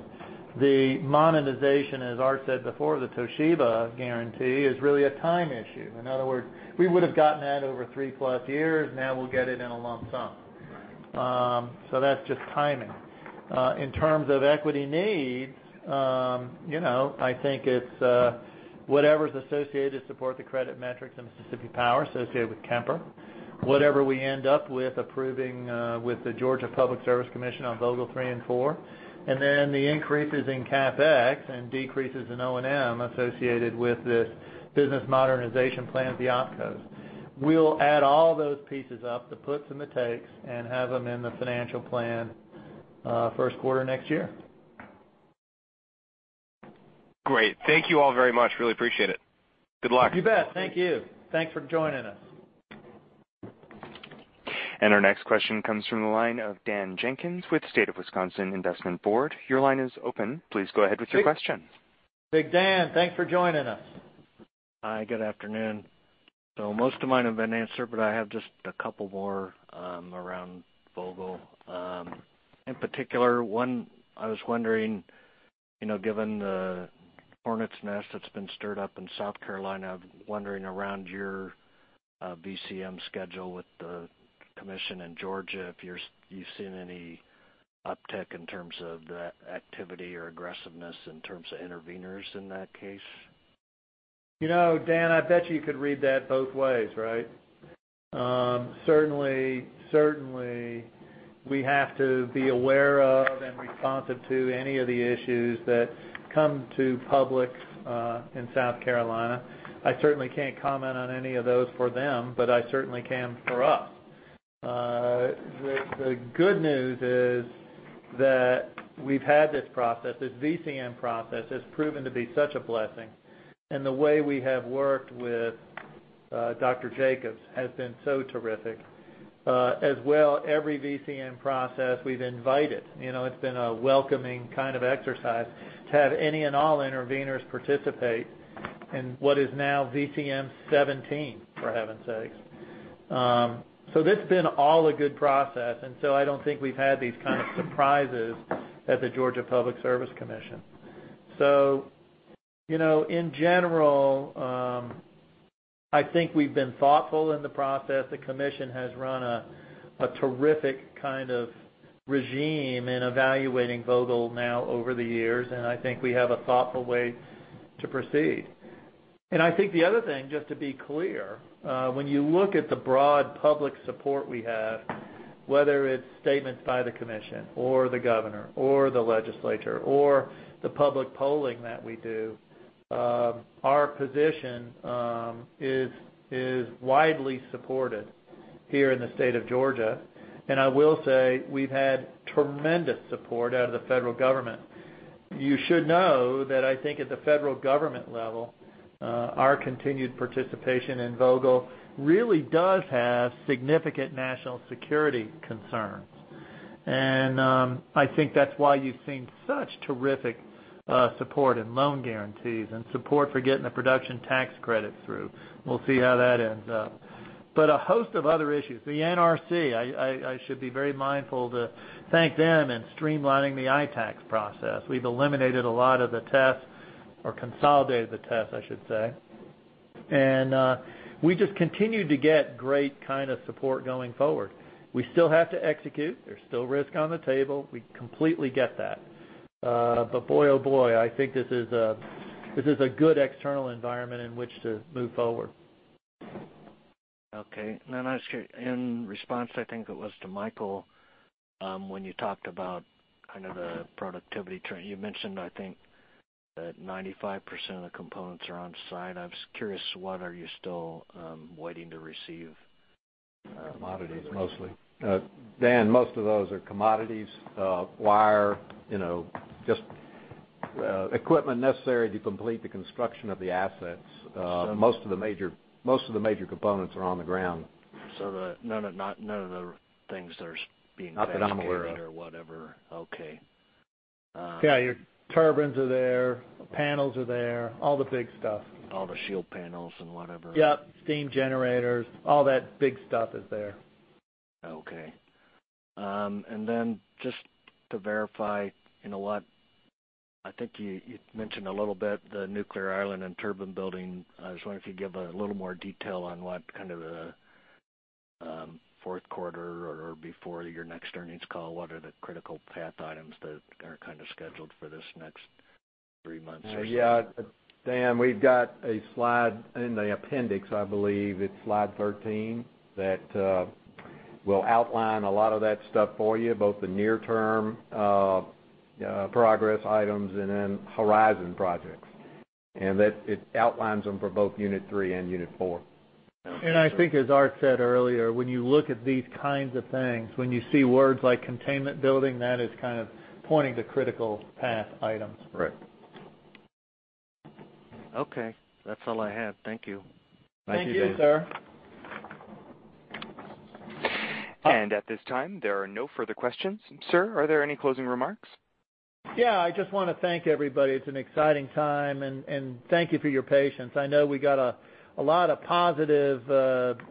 The monetization, as Art said before, the Toshiba guarantee is really a time issue. In other words, we would've gotten that over three-plus years, now we'll get it in a lump sum. Right. That's just timing. In terms of equity needs, I think it's whatever's associated to support the credit metrics in Mississippi Power associated with Kemper. Whatever we end up with approving with the Georgia Public Service Commission on Vogtle three and four, then the increases in CapEx and decreases in O&M associated with this business modernization plan at the opcos. We'll add all those pieces up, the puts and the takes, and have them in the financial plan first quarter next year. Great. Thank you all very much. Really appreciate it. Good luck. You bet. Thank you. Thanks for joining us. Our next question comes from the line of Dan Jenkins with State of Wisconsin Investment Board. Your line is open. Please go ahead with your question. Big Dan, thanks for joining us. Hi, good afternoon. Most of mine have been answered, I have just a couple more around Vogtle. In particular, one, I was wondering, given the hornet's nest that's been stirred up in South Carolina, I'm wondering around your VCM schedule with the commission in Georgia, if you've seen any uptick in terms of the activity or aggressiveness in terms of interveners in that case. Dan, I bet you could read that both ways, right? Certainly, we have to be aware of and responsive to any of the issues that come to public in South Carolina. I certainly can't comment on any of those for them, but I certainly can for us. The good news is that we've had this process, this VCM process has proven to be such a blessing, and the way we have worked with Dr. Jacobs has been so terrific. As well, every VCM process we've invited. It's been a welcoming kind of exercise to have any and all interveners participate in what is now VCM 17, for heaven's sakes. This has been all a good process, I don't think we've had these kind of surprises at the Georgia Public Service Commission. In general, I think we've been thoughtful in the process. The commission has run a terrific kind of regime in evaluating Vogtle now over the years, and I think we have a thoughtful way to proceed. I think the other thing, just to be clear, when you look at the broad public support we have, whether it's statements by the commission or the governor or the legislature or the public polling that we do, our position is widely supported here in the state of Georgia. I will say we've had tremendous support out of the federal government. You should know that I think at the federal government level, our continued participation in Vogtle really does have significant national security concerns. I think that's why you've seen such terrific support in loan guarantees and support for getting the production tax credit through. We'll see how that ends up. A host of other issues. The NRC, I should be very mindful to thank them in streamlining the ITAAC process. We've eliminated a lot of the tests, or consolidated the tests, I should say. We just continue to get great kind of support going forward. We still have to execute. There's still risk on the table. We completely get that. Boy, oh boy, I think this is a good external environment in which to move forward. Okay. In response, I think it was to Michael, when you talked about kind of the productivity trend, you mentioned, I think, that 95% of the components are on-site. I was curious, what are you still waiting to receive? Commodities, mostly. Dan, most of those are commodities. Wire, just equipment necessary to complete the construction of the assets. Most of the major components are on the ground. None of the things that are being manufactured? Not that I'm aware of. or whatever. Okay. Yeah, your turbines are there, the panels are there, all the big stuff. All the shield panels and whatever. Yep. Steam generators, all that big stuff is there. Okay. Then just to verify in a lot, I think you'd mentioned a little bit the nuclear island and turbine building. I was wondering if you'd give a little more detail on what kind of fourth quarter or before your next earnings call, what are the critical path items that are kind of scheduled for this next three months or so? Dan, we've got a slide in the appendix, I believe it's slide 13, that will outline a lot of that stuff for you, both the near-term progress items and then horizon projects. It outlines them for both unit 3 and unit 4. I think as Art said earlier, when you look at these kinds of things, when you see words like containment building, that is kind of pointing to critical path items. Right. Okay. That's all I have. Thank you. Thank you. Thank you, Dan. At this time, there are no further questions. Sir, are there any closing remarks? Yeah, I just want to thank everybody. It's an exciting time, and thank you for your patience. I know we got a lot of positive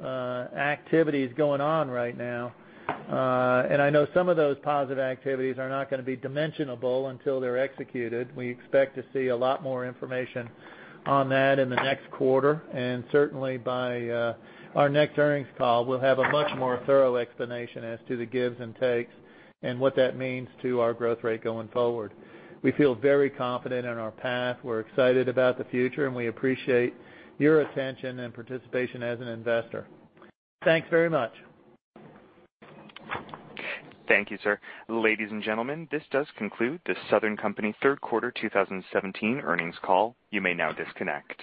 activities going on right now. I know some of those positive activities are not going to be dimensionable until they're executed. We expect to see a lot more information on that in the next quarter. Certainly by our next earnings call, we'll have a much more thorough explanation as to the gives and takes and what that means to our growth rate going forward. We feel very confident in our path. We're excited about the future, and we appreciate your attention and participation as an investor. Thanks very much. Thank you, sir. Ladies and gentlemen, this does conclude the Southern Company third quarter 2017 earnings call. You may now disconnect.